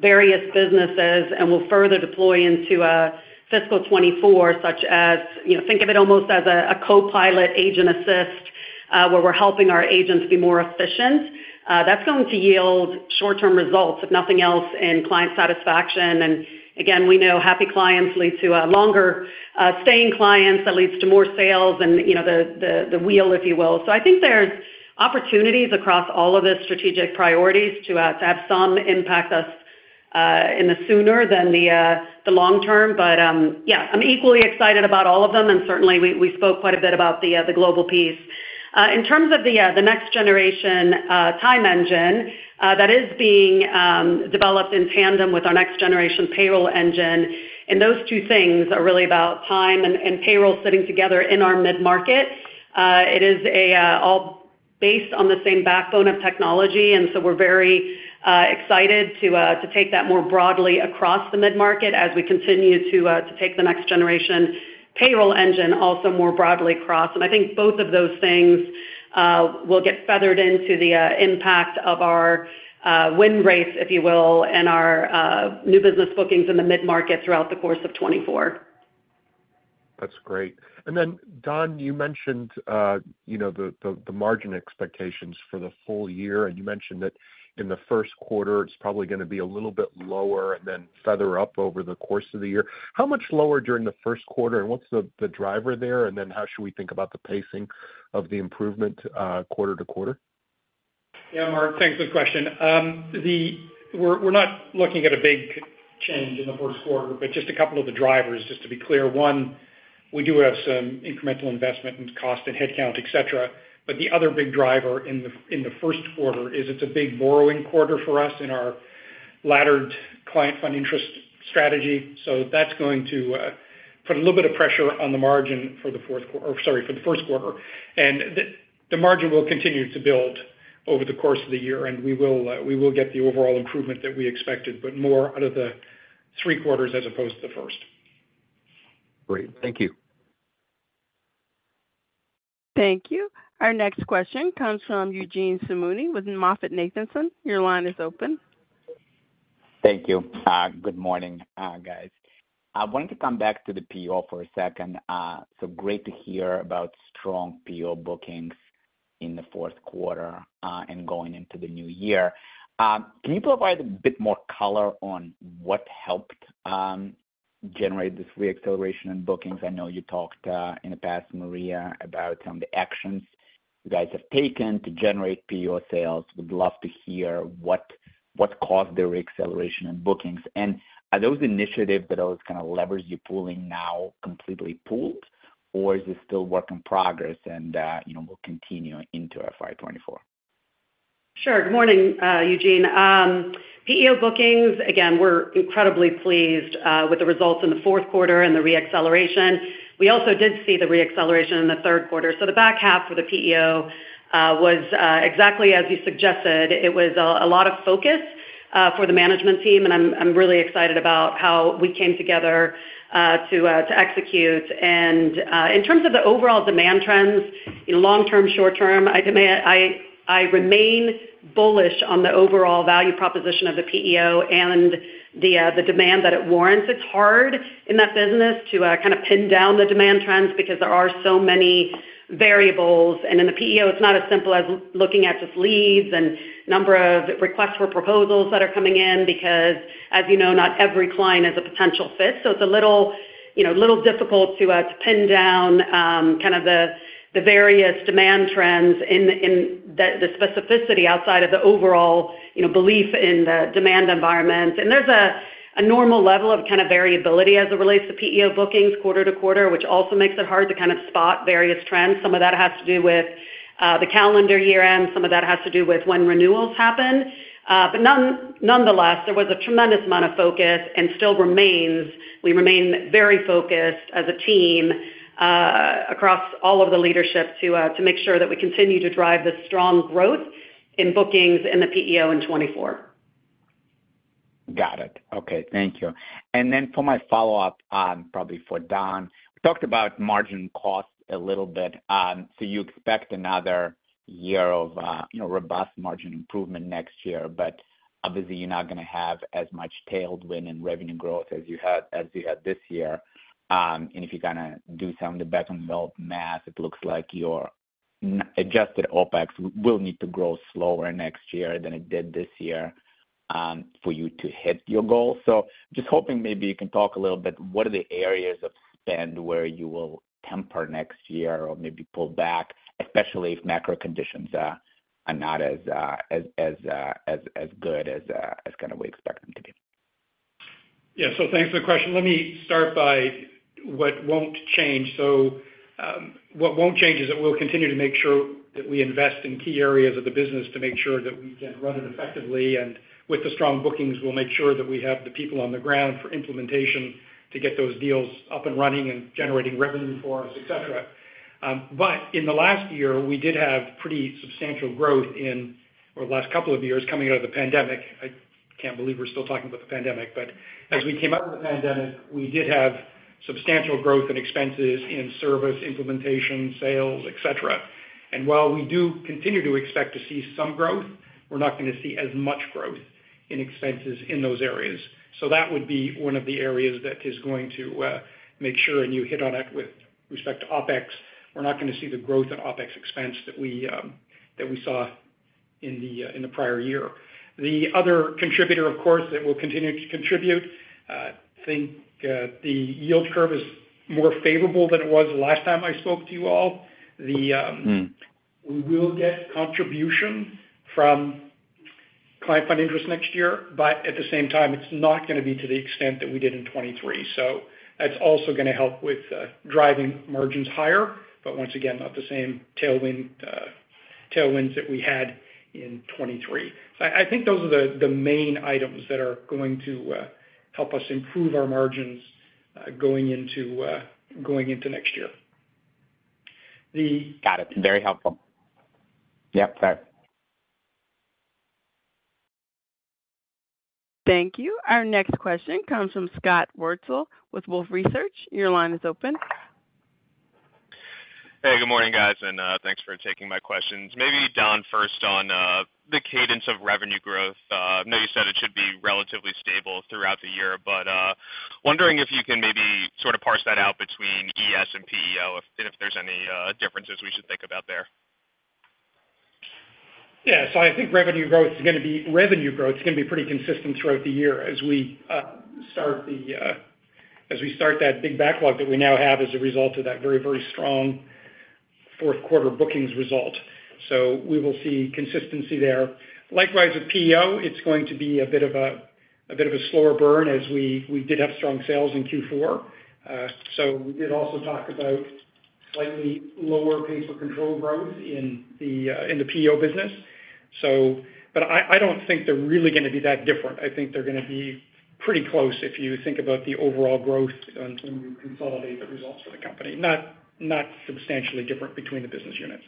various businesses and will further deploy into fiscal 2024, such as. You know, think of it almost as a co-pilot agent assist, where we're helping our agents be more efficient. That's going to yield short-term results, if nothing else, in client satisfaction. Again, we know happy clients lead to longer staying clients, that leads to more sales and, you know, the, the wheel, if you will. I think there's opportunities across all of the strategic priorities to have some impact us in the sooner than the long term. Yeah, I'm equally excited about all of them, and certainly we spoke quite a bit about the global piece. In terms of the next generation time engine that is being developed in tandem with our next generation payroll engine, and those two things are really about time and payroll sitting together in our mid-market. It is a all based on the same backbone of technology. We're very excited to take that more broadly across the mid-market as we continue to take the next generation payroll engine also more broadly across. I think both of those things will get feathered into the impact of our win rates, if you will, and our new business bookings in the mid-market throughout the course of 2024. That's great. Don, you mentioned, you know, the, the margin expectations for the full year, and you mentioned that in the first quarter, it's probably gonna be a little bit lower and then feather up over the course of the year. How much lower during the first quarter, and what's the driver there? How should we think about the pacing of the improvement, quarter to quarter? Yeah, Mark, thanks. Good question. We're not looking at a big change in the first quarter, but just a couple of the drivers, just to be clear. One, we do have some incremental investment in cost and headcount, et cetera, but the other big driver in the first quarter is it's a big borrowing quarter for us in our laddered client fund interest strategy. That's going to put a little bit of pressure on the margin for the fourth quarter, or sorry, for the first quarter. The margin will continue to build over the course of the year, and we will get the overall improvement that we expected, but more out of the three quarters as opposed to the first. Great. Thank you. Thank you. Our next question comes from Eugene Simuni with MoffettNathanson. Your line is open. Thank you. Good morning, guys. I wanted to come back to the PEO for a second. Great to hear about strong PEO bookings in the fourth quarter, and going into the new year. Can you provide a bit more color on what helped generate this re-acceleration in bookings? I know you talked in the past, Maria, about the actions you guys have taken to generate PEO sales. Would love to hear what caused the re-acceleration in bookings. Are those initiatives, are those kind of levers you're pulling now completely pulled, or is this still work in progress and, you know, will continue into FY 2024? Sure. Good morning, Eugene. PEO bookings, again, we're incredibly pleased with the results in the fourth quarter and the re-acceleration. We also did see the re-acceleration in the third quarter. The back half for the PEO was exactly as you suggested. It was a lot of focus for the management team, and I'm really excited about how we came together to execute. In terms of the overall demand trends, in long term, short term, I remain bullish on the overall value proposition of the PEO and the demand that it warrants. It's hard in that business to kind of pin down the demand trends because there are so many variables. In the PEO, it's not as simple as looking at just leads and number of requests for proposals that are coming in, because, as you know, not every client is a potential fit. It's a little, you know, a little difficult to pin down, kind of the various demand trends in the specificity outside of the overall, you know, belief in the demand environment. There's a normal level of kind of variability as it relates to PEO bookings quarter to quarter, which also makes it hard to kind of spot various trends. Some of that has to do with the calendar year, and some of that has to do with when renewals happen. Nonetheless, there was a tremendous amount of focus and still remains. We remain very focused as a team, across all of the leadership to make sure that we continue to drive the strong growth in bookings in the PEO in 2024. Got it. Okay, thank you. For my follow-up, probably for Don, we talked about margin costs a little bit. You expect another year of, you know, robust margin improvement next year, but obviously, you're not gonna have as much tailwind in revenue growth as you had this year. If you're gonna do some of the back-of-the-envelope math, it looks like your adjusted OpEx will need to grow slower next year than it did this year, for you to hit your goal. Just hoping maybe you can talk a little bit, what are the areas of spend where you will temper next year or maybe pull back, especially if macro conditions are not as good as kind of we expect them to be? Thanks for the question. Let me start by what won't change. What won't change is that we'll continue to make sure that we invest in key areas of the business to make sure that we can run it effectively. With the strong bookings, we'll make sure that we have the people on the ground for implementation to get those deals up and running and generating revenue for us, et cetera. But in the last year, we did have pretty substantial growth in the last couple of years, coming out of the pandemic. I can't believe we're still talking about the pandemic, but as we came out of the pandemic, we did have substantial growth in expenses, in service, implementation, sales, et cetera. While we do continue to expect to see some growth, we're not going to see as much growth in expenses in those areas. That would be one of the areas that is going to make sure, and you hit on it with respect to OpEx, we're not going to see the growth in OpEx expense that we saw in the prior year. The other contributor, of course, that will continue to contribute, I think, the yield curve is more favorable than it was the last time I spoke to you all. Mm. We will get contribution from client fund interest next year. At the same time, it's not gonna be to the extent that we did in 23. That's also gonna help with driving margins higher, but once again, not the same tailwinds that we had in 23. I think those are the main items that are going to help us improve our margins going into going into next year. Got it. Very helpful. Yep, thanks. Thank you. Our next question comes from Scott Wurtzel with Wolfe Research. Your line is open. Hey, good morning, guys, and thanks for taking my questions. Maybe Don, first on the cadence of revenue growth. I know you said it should be relatively stable throughout the year, but wondering if you can maybe sort of parse that out between ES and PEO, and if there's any differences we should think about there. I think revenue growth is gonna be pretty consistent throughout the year as we start that big backlog that we now have as a result of that very, very strong fourth quarter bookings result. We will see consistency there. Likewise, with PEO, it's going to be a bit of a slower burn, as we did have strong sales in Q4. We did also talk about slightly lower pays per control growth in the PEO business. I don't think they're really gonna be that different. I think they're gonna be pretty close if you think about the overall growth and when we consolidate the results for the company, not substantially different between the business units.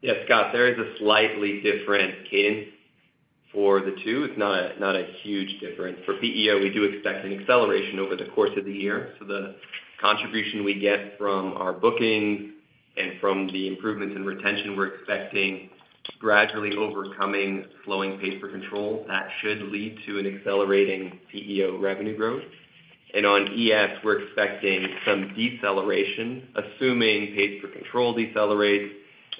Yeah, Scott, there is a slightly different cadence for the two. It's not a huge difference. For PEO, we do expect an acceleration over the course of the year. The contribution we get from our bookings and from the improvements in retention, we're expecting gradually overcoming slowing pays per control. That should lead to an accelerating PEO revenue growth. On ES, we're expecting some deceleration, assuming pays per control decelerates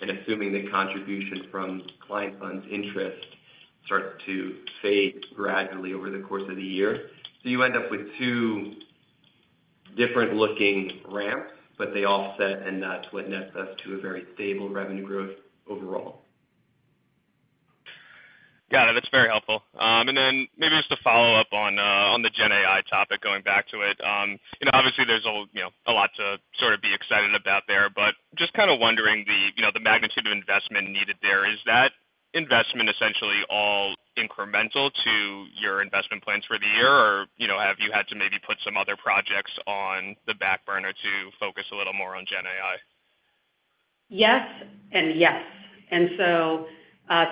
and assuming the contribution from client funds interest starts to fade gradually over the course of the year. You end up with two different-looking ramps, but they offset and to witness us to a very stable revenue growth overall. Got it. That's very helpful. Maybe just to follow up on the Gen AI topic, going back to it. You know, obviously there's a lot to sort of be excited about there, but just kind of wondering the magnitude of investment needed there, is that investment essentially all incremental to your investment plans for the year? Or, you know, have you had to maybe put some other projects on the back burner to focus a little more on Gen AI? Yes and yes.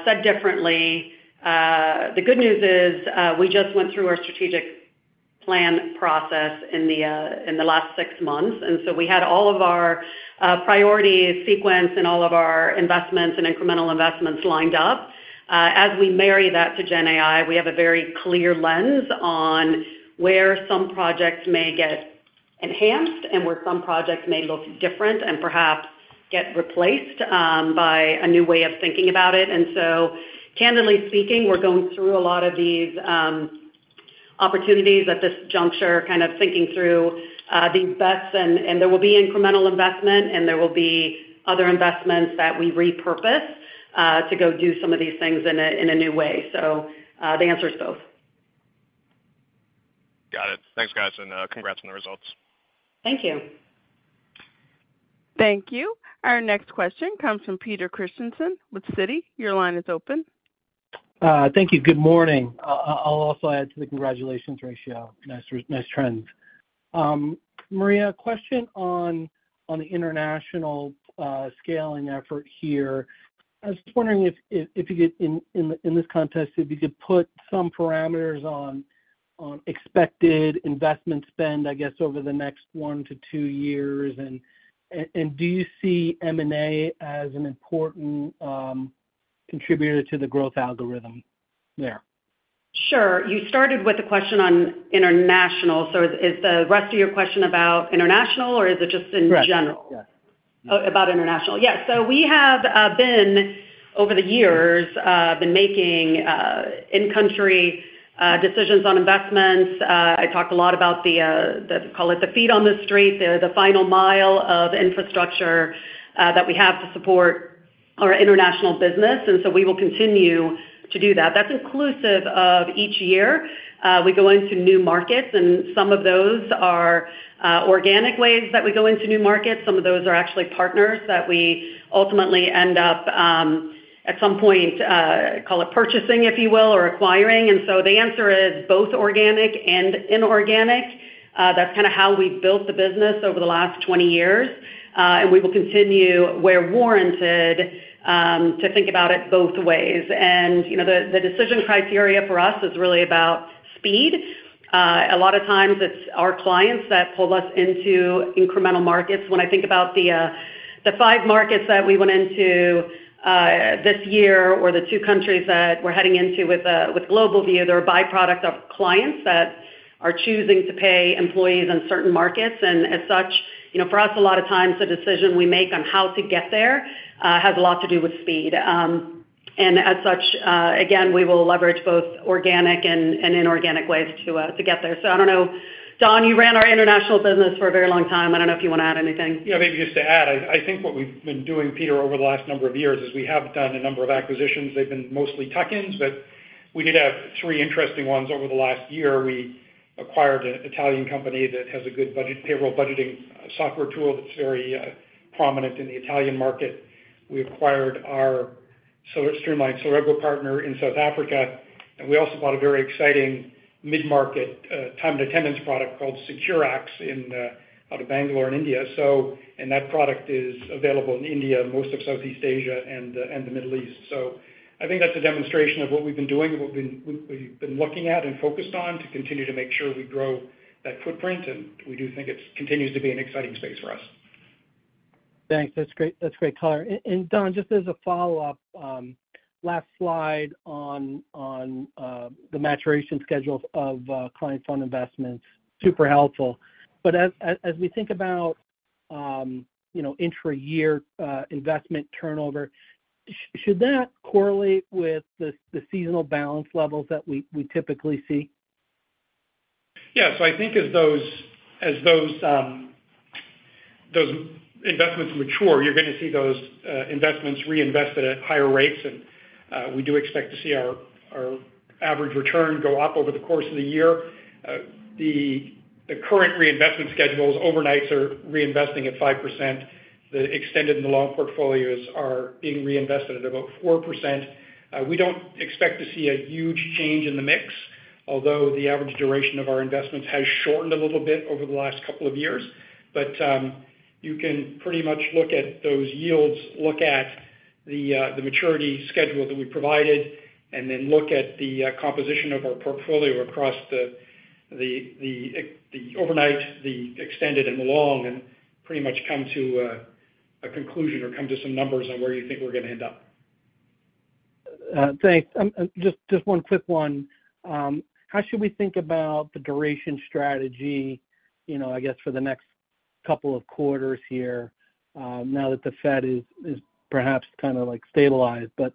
Said differently, the good news is, we just went through our strategic plan process in the last six months. We had all of our priorities sequenced and all of our investments and incremental investments lined up. As we marry that to Gen AI, we have a very clear lens on where some projects may get enhanced and where some projects may look different and perhaps get replaced by a new way of thinking about it. Candidly speaking, we're going through a lot of these opportunities at this juncture, kind of thinking through these bets, and there will be incremental investment, and there will be other investments that we repurpose to go do some of these things in a new way. The answer is both. Got it. Thanks, guys, and congrats on the results. Thank you. Thank you. Our next question comes from Peter Christiansen with Citi. Your line is open. Thank you. Good morning. I'll also add to the congratulations, Rachel. Nice, nice trends. Maria, a question on the international scaling effort here. I was just wondering if you could, in this context, if you could put some parameters on expected investment spend, I guess, over the next one to two years. Do you see M&A as an important contributor to the growth algorithm there? Sure. You started with a question on international, so is the rest of your question about international, or is it just in general? Correct, yeah. About international. We have been, over the years, been making in-country decisions on investments. I talked a lot about the, call it, the feet on the street, the final mile of infrastructure that we have to support our international business, we will continue to do that. That's inclusive of each year, we go into new markets, some of those are organic ways that we go into new markets. Some of those are actually partners that we ultimately end up at some point, call it purchasing, if you will, or acquiring. The answer is both organic and inorganic. That's kind of how we've built the business over the last 20 years, we will continue, where warranted, to think about it both ways. You know, the decision criteria for us is really about speed. A lot of times it's our clients that pull us into incremental markets. When I think about the five markets that we went into, this year, or the two countries that we're heading into with GlobalView, they're a byproduct of clients that are choosing to pay employees in certain markets. As such, you know, for us, a lot of times, the decision we make on how to get there, has a lot to do with speed. As such, again, we will leverage both organic and inorganic ways to get there. I don't know. Don, you ran our international business for a very long time. I don't know if you want to add anything. Yeah, maybe just to add, I think what we've been doing, Peter, over the last number of years is we have done a number of acquisitions. They've been mostly tuck-ins, but we did have three interesting ones over the last year. We acquired an Italian company that has a good budget, payroll budgeting software tool that's very prominent in the Italian market. We acquired our Streamline, Celergo partner in South Africa, and we also bought a very exciting mid-market, time and attendance product called Securax out of Bangalore in India. That product is available in India, most of Southeast Asia and the Middle East. I think that's a demonstration of what we've been doing, what we've been looking at and focused on to continue to make sure we grow that footprint, and we do think it continues to be an exciting space for us. Thanks. That's great, that's great color. Don, just as a follow-up, last slide on the maturation schedule of clients on investments, super helpful. As we think about, you know, intra-year investment turnover, should that correlate with the seasonal balance levels that we typically see? I think as those investments mature, you're going to see those investments reinvested at higher rates, and we do expect to see our average return go up over the course of the year. The current reinvestment schedules, overnights are reinvesting at 5%. The extended and the long portfolios are being reinvested at about 4%. We don't expect to see a huge change in the mix, although the average duration of our investments has shortened a little bit over the last couple of years. You can pretty much look at those yields, look at the maturity schedule that we provided, and then look at the composition of our portfolio across the overnight, the extended and the long, and pretty much come to a conclusion or come to some numbers on where you think we're going to end up. Thanks. Just one quick one. How should we think about the duration strategy, you know, I guess, for the next couple of quarters here, now that the Fed is perhaps kind of, like, stabilized, but,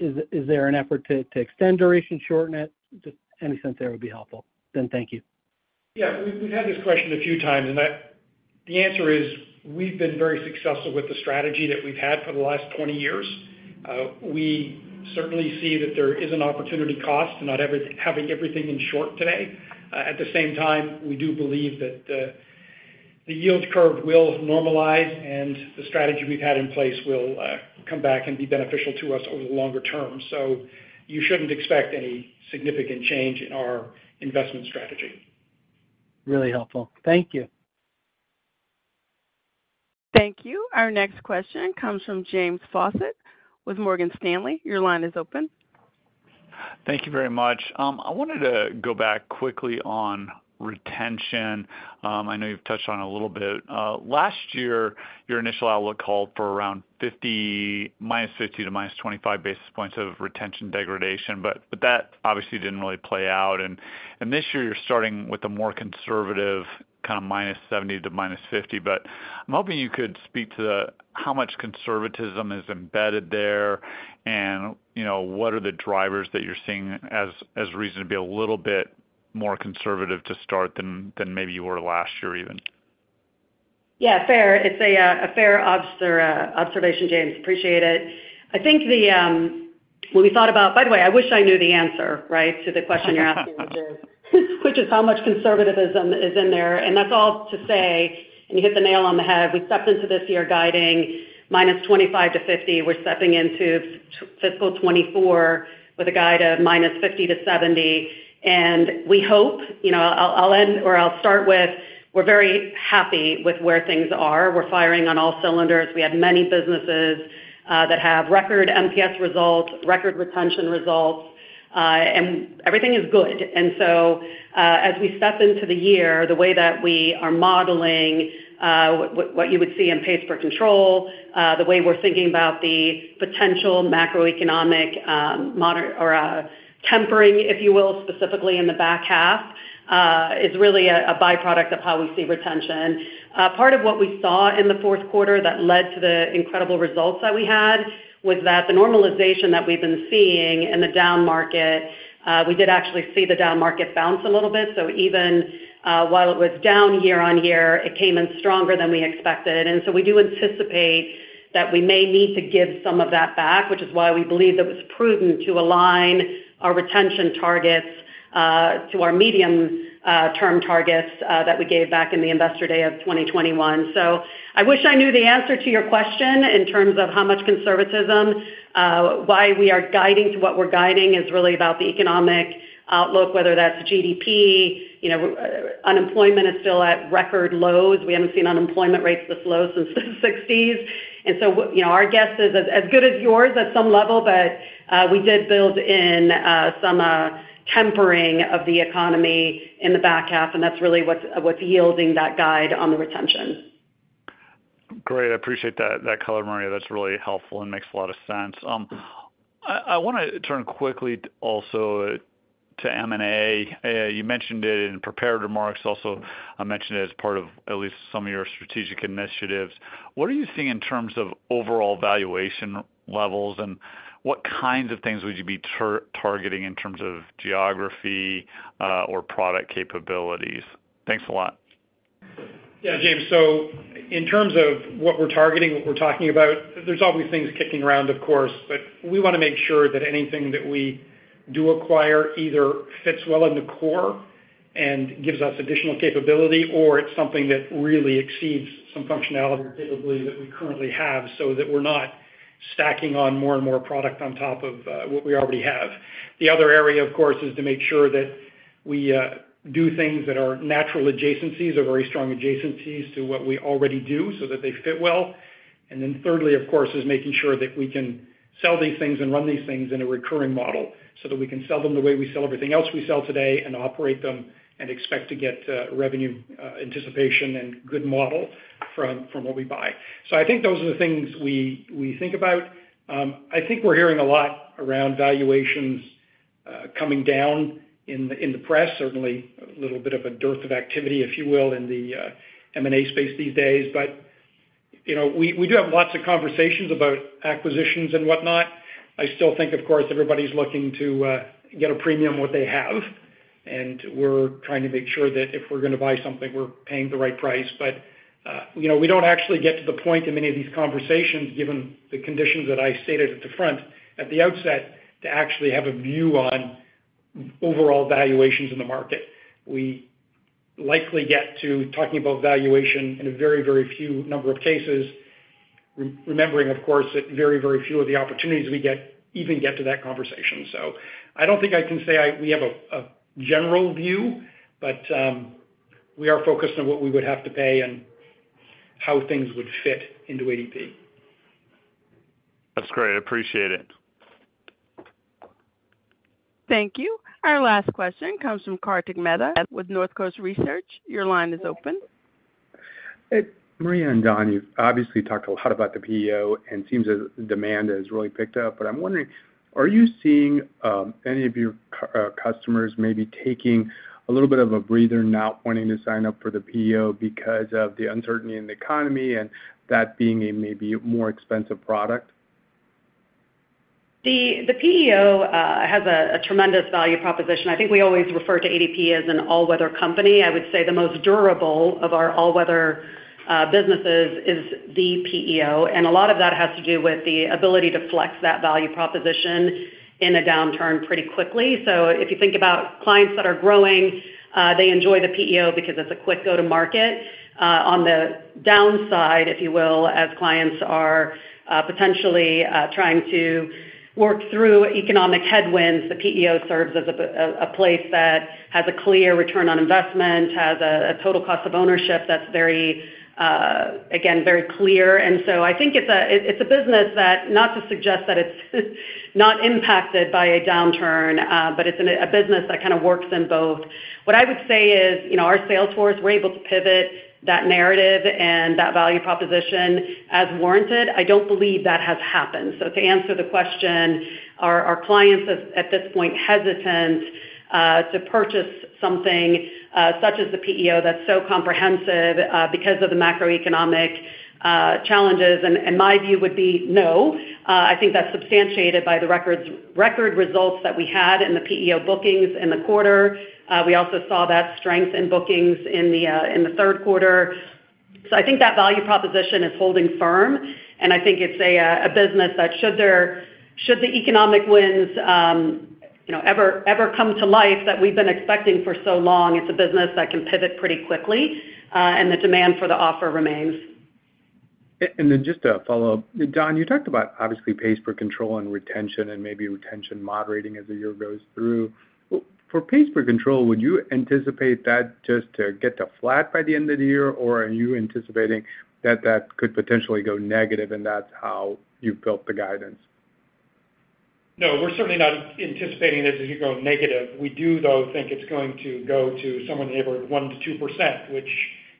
is there an effort to extend duration, shorten it? Just any sense there would be helpful. Thank you. Yeah, we've had this question a few times, the answer is, we've been very successful with the strategy that we've had for the last 20 years. We certainly see that there is an opportunity cost to not having everything in short today. At the same time, we do believe that the yield curve will normalize, and the strategy we've had in place will come back and be beneficial to us over the longer term. You shouldn't expect any significant change in our investment strategy. Really helpful. Thank you. Thank you. Our next question comes from James Faucette with Morgan Stanley. Your line is open. Thank you very much. I wanted to go back quickly on retention. I know you've touched on a little bit. Last year, your initial outlook called for around -50 to -25 basis points of retention degradation, that obviously didn't really play out. This year, you're starting with a more conservative kind of -70 to -50. I'm hoping you could speak to how much conservatism is embedded there, and, you know, what are the drivers that you're seeing as reason to be a little bit more conservative to start than maybe you were last year, even? Yeah, fair. It's a fair observation, James. Appreciate it. I think the when we thought about By the way, I wish I knew the answer, right, to the question you're asking me, which is how much conservatism is in there. That's all to say, and you hit the nail on the head, we stepped into this year guiding -25% to 50%. We're stepping into fiscal 2024 with a guide of -50% to 70%, and we hope, you know. I'll end, or I'll start with, we're very happy with where things are. We're firing on all cylinders. We have many businesses that have record NPS results, record retention results, and everything is good. As we step into the year, the way that we are modeling, what you would see in pays per control, the way we're thinking about the potential macroeconomic tempering, if you will, specifically in the back half, is really a byproduct of how we see retention. Part of what we saw in the fourth quarter that led to the incredible results that we had, was that the normalization that we've been seeing in the down market, we did actually see the down market bounce a little bit. Even while it was down year-over-year, it came in stronger than we expected. We do anticipate that we may need to give some of that back, which is why we believe that it's prudent to align our retention targets to our medium term targets that we gave back in the Investor Day of 2021. I wish I knew the answer to your question in terms of how much conservatism. Why we are guiding to what we're guiding is really about the economic outlook, whether that's GDP, you know, unemployment is still at record lows. We haven't seen unemployment rates this low since the '60s. You know, our guess is as good as yours at some level, but we did build in some tempering of the economy in the back half, and that's really what's yielding that guide on the retention. Great. I appreciate that color, Maria. That's really helpful and makes a lot of sense. I wanna turn quickly also to M&A. You mentioned it in prepared remarks, also, I mentioned it as part of at least some of your strategic initiatives. What are you seeing in terms of overall valuation levels, and what kinds of things would you be targeting in terms of geography or product capabilities? Thanks a lot. Yeah, James. In terms of what we're targeting, what we're talking about, there's always things kicking around, of course, but we wanna make sure that anything that we do acquire either fits well in the core and gives us additional capability, or it's something that really exceeds some functionality or capability that we currently have, so that we're not stacking on more and more product on top of what we already have. The other area, of course, is to make sure that we do things that are natural adjacencies or very strong adjacencies to what we already do, so that they fit well. Thirdly, of course, is making sure that we can sell these things and run these things in a recurring model, so that we can sell them the way we sell everything else we sell today and operate them and expect to get revenue anticipation and good model from what we buy. I think those are the things we think about. I think we're hearing a lot around valuations coming down in the press. Certainly, a little bit of a dearth of activity, if you will, in the M&A space these days. You know, we do have lots of conversations about acquisitions and whatnot. I still think, of course, everybody's looking to get a premium what they have, and we're trying to make sure that if we're gonna buy something, we're paying the right price. you know, we don't actually get to the point in many of these conversations, given the conditions that I stated at the front, at the outset, to actually have a view on overall valuations in the market. We likely get to talking about valuation in a very, very few number of cases, remembering, of course, that very, very few of the opportunities we get even get to that conversation. I don't think I can say we have a general view, but we are focused on what we would have to pay and how things would fit into ADP. That's great. I appreciate it. Thank you. Our last question comes from Kartik Mehta with Northcoast Research. Your line is open. Hey, Maria and Don, you've obviously talked a lot about the PEO, and it seems as demand has really picked up. I'm wondering: Are you seeing any of your customers maybe taking a little bit of a breather, not wanting to sign up for the PEO because of the uncertainty in the economy and that being a maybe more expensive product? The PEO has a tremendous value proposition. I think we always refer to ADP as an all-weather company. I would say the most durable of our all-weather businesses is the PEO, and a lot of that has to do with the ability to flex that value proposition in a downturn pretty quickly. If you think about clients that are growing, they enjoy the PEO because it's a quick go-to-market. On the downside, if you will, as clients are potentially trying to work through economic headwinds, the PEO serves as a place that has a clear return on investment, has a total cost of ownership that's very, again, very clear. I think it's a business that, not to suggest that it's not impacted by a downturn, but it's a business that kind of works in both. What I would say is, you know, our sales force, we're able to pivot that narrative and that value proposition as warranted. I don't believe that has happened. To answer the question, are our clients at this point hesitant to purchase something such as the PEO that's so comprehensive because of the macroeconomic challenges? My view would be no. I think that's substantiated by the record results that we had in the PEO bookings in the quarter. We also saw that strength in bookings in the third quarter. I think that value proposition is holding firm, and I think it's a business that should the economic winds, you know, ever come to life that we've been expecting for so long, it's a business that can pivot pretty quickly, and the demand for the offer remains. Just a follow-up. Don, you talked about obviously pays per control and retention and maybe retention moderating as the year goes through. For pays per control, would you anticipate that just to get to flat by the end of the year? Are you anticipating that that could potentially go negative, and that's how you've built the guidance? No, we're certainly not anticipating this to go negative. We do, though, think it's going to go to somewhere near 1%-2%, which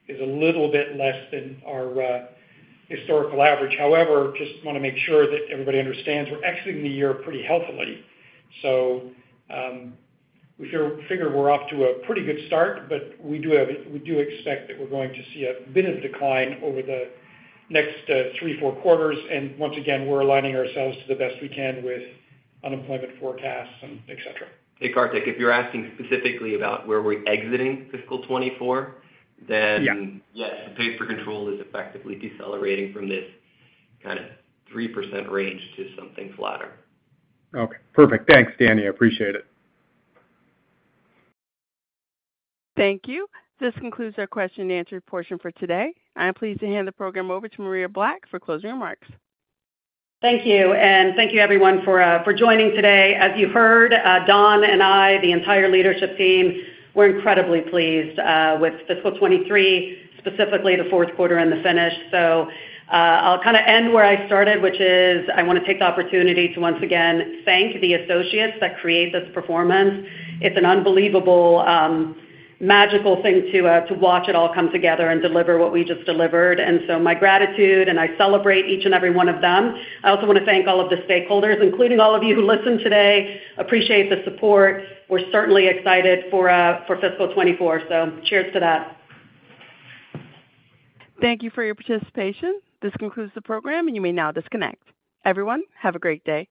is a little bit less than our historical average. However, just wanna make sure that everybody understands we're exiting the year pretty healthily. We figure we're off to a pretty good start, but we do expect that we're going to see a bit of decline over the next three, four quarters, and once again, we're aligning ourselves to the best we can with unemployment forecasts and et cetera. Hey, Kartik, if you're asking specifically about where we're exiting fiscal 2024, then-. Yeah Yes, the pay for control is effectively decelerating from this kind of 3% range to something flatter. Okay, perfect. Thanks, Danyal. I appreciate it. Thank you. This concludes our question and answer portion for today. I'm pleased to hand the program over to Maria Black for closing remarks. Thank you, thank you everyone for joining today. As you heard, Don and I, the entire leadership team, we're incredibly pleased with fiscal 2023, specifically the fourth quarter and the finish. I'll kinda end where I started, which is, I wanna take the opportunity to once again thank the associates that create this performance. It's an unbelievable, magical thing to watch it all come together and deliver what we just delivered. My gratitude, I celebrate each and every one of them. I also wanna thank all of the stakeholders, including all of you who listened today. Appreciate the support. We're certainly excited for fiscal 2024, cheers to that. Thank you for your participation. This concludes the program, and you may now disconnect. Everyone, have a great day.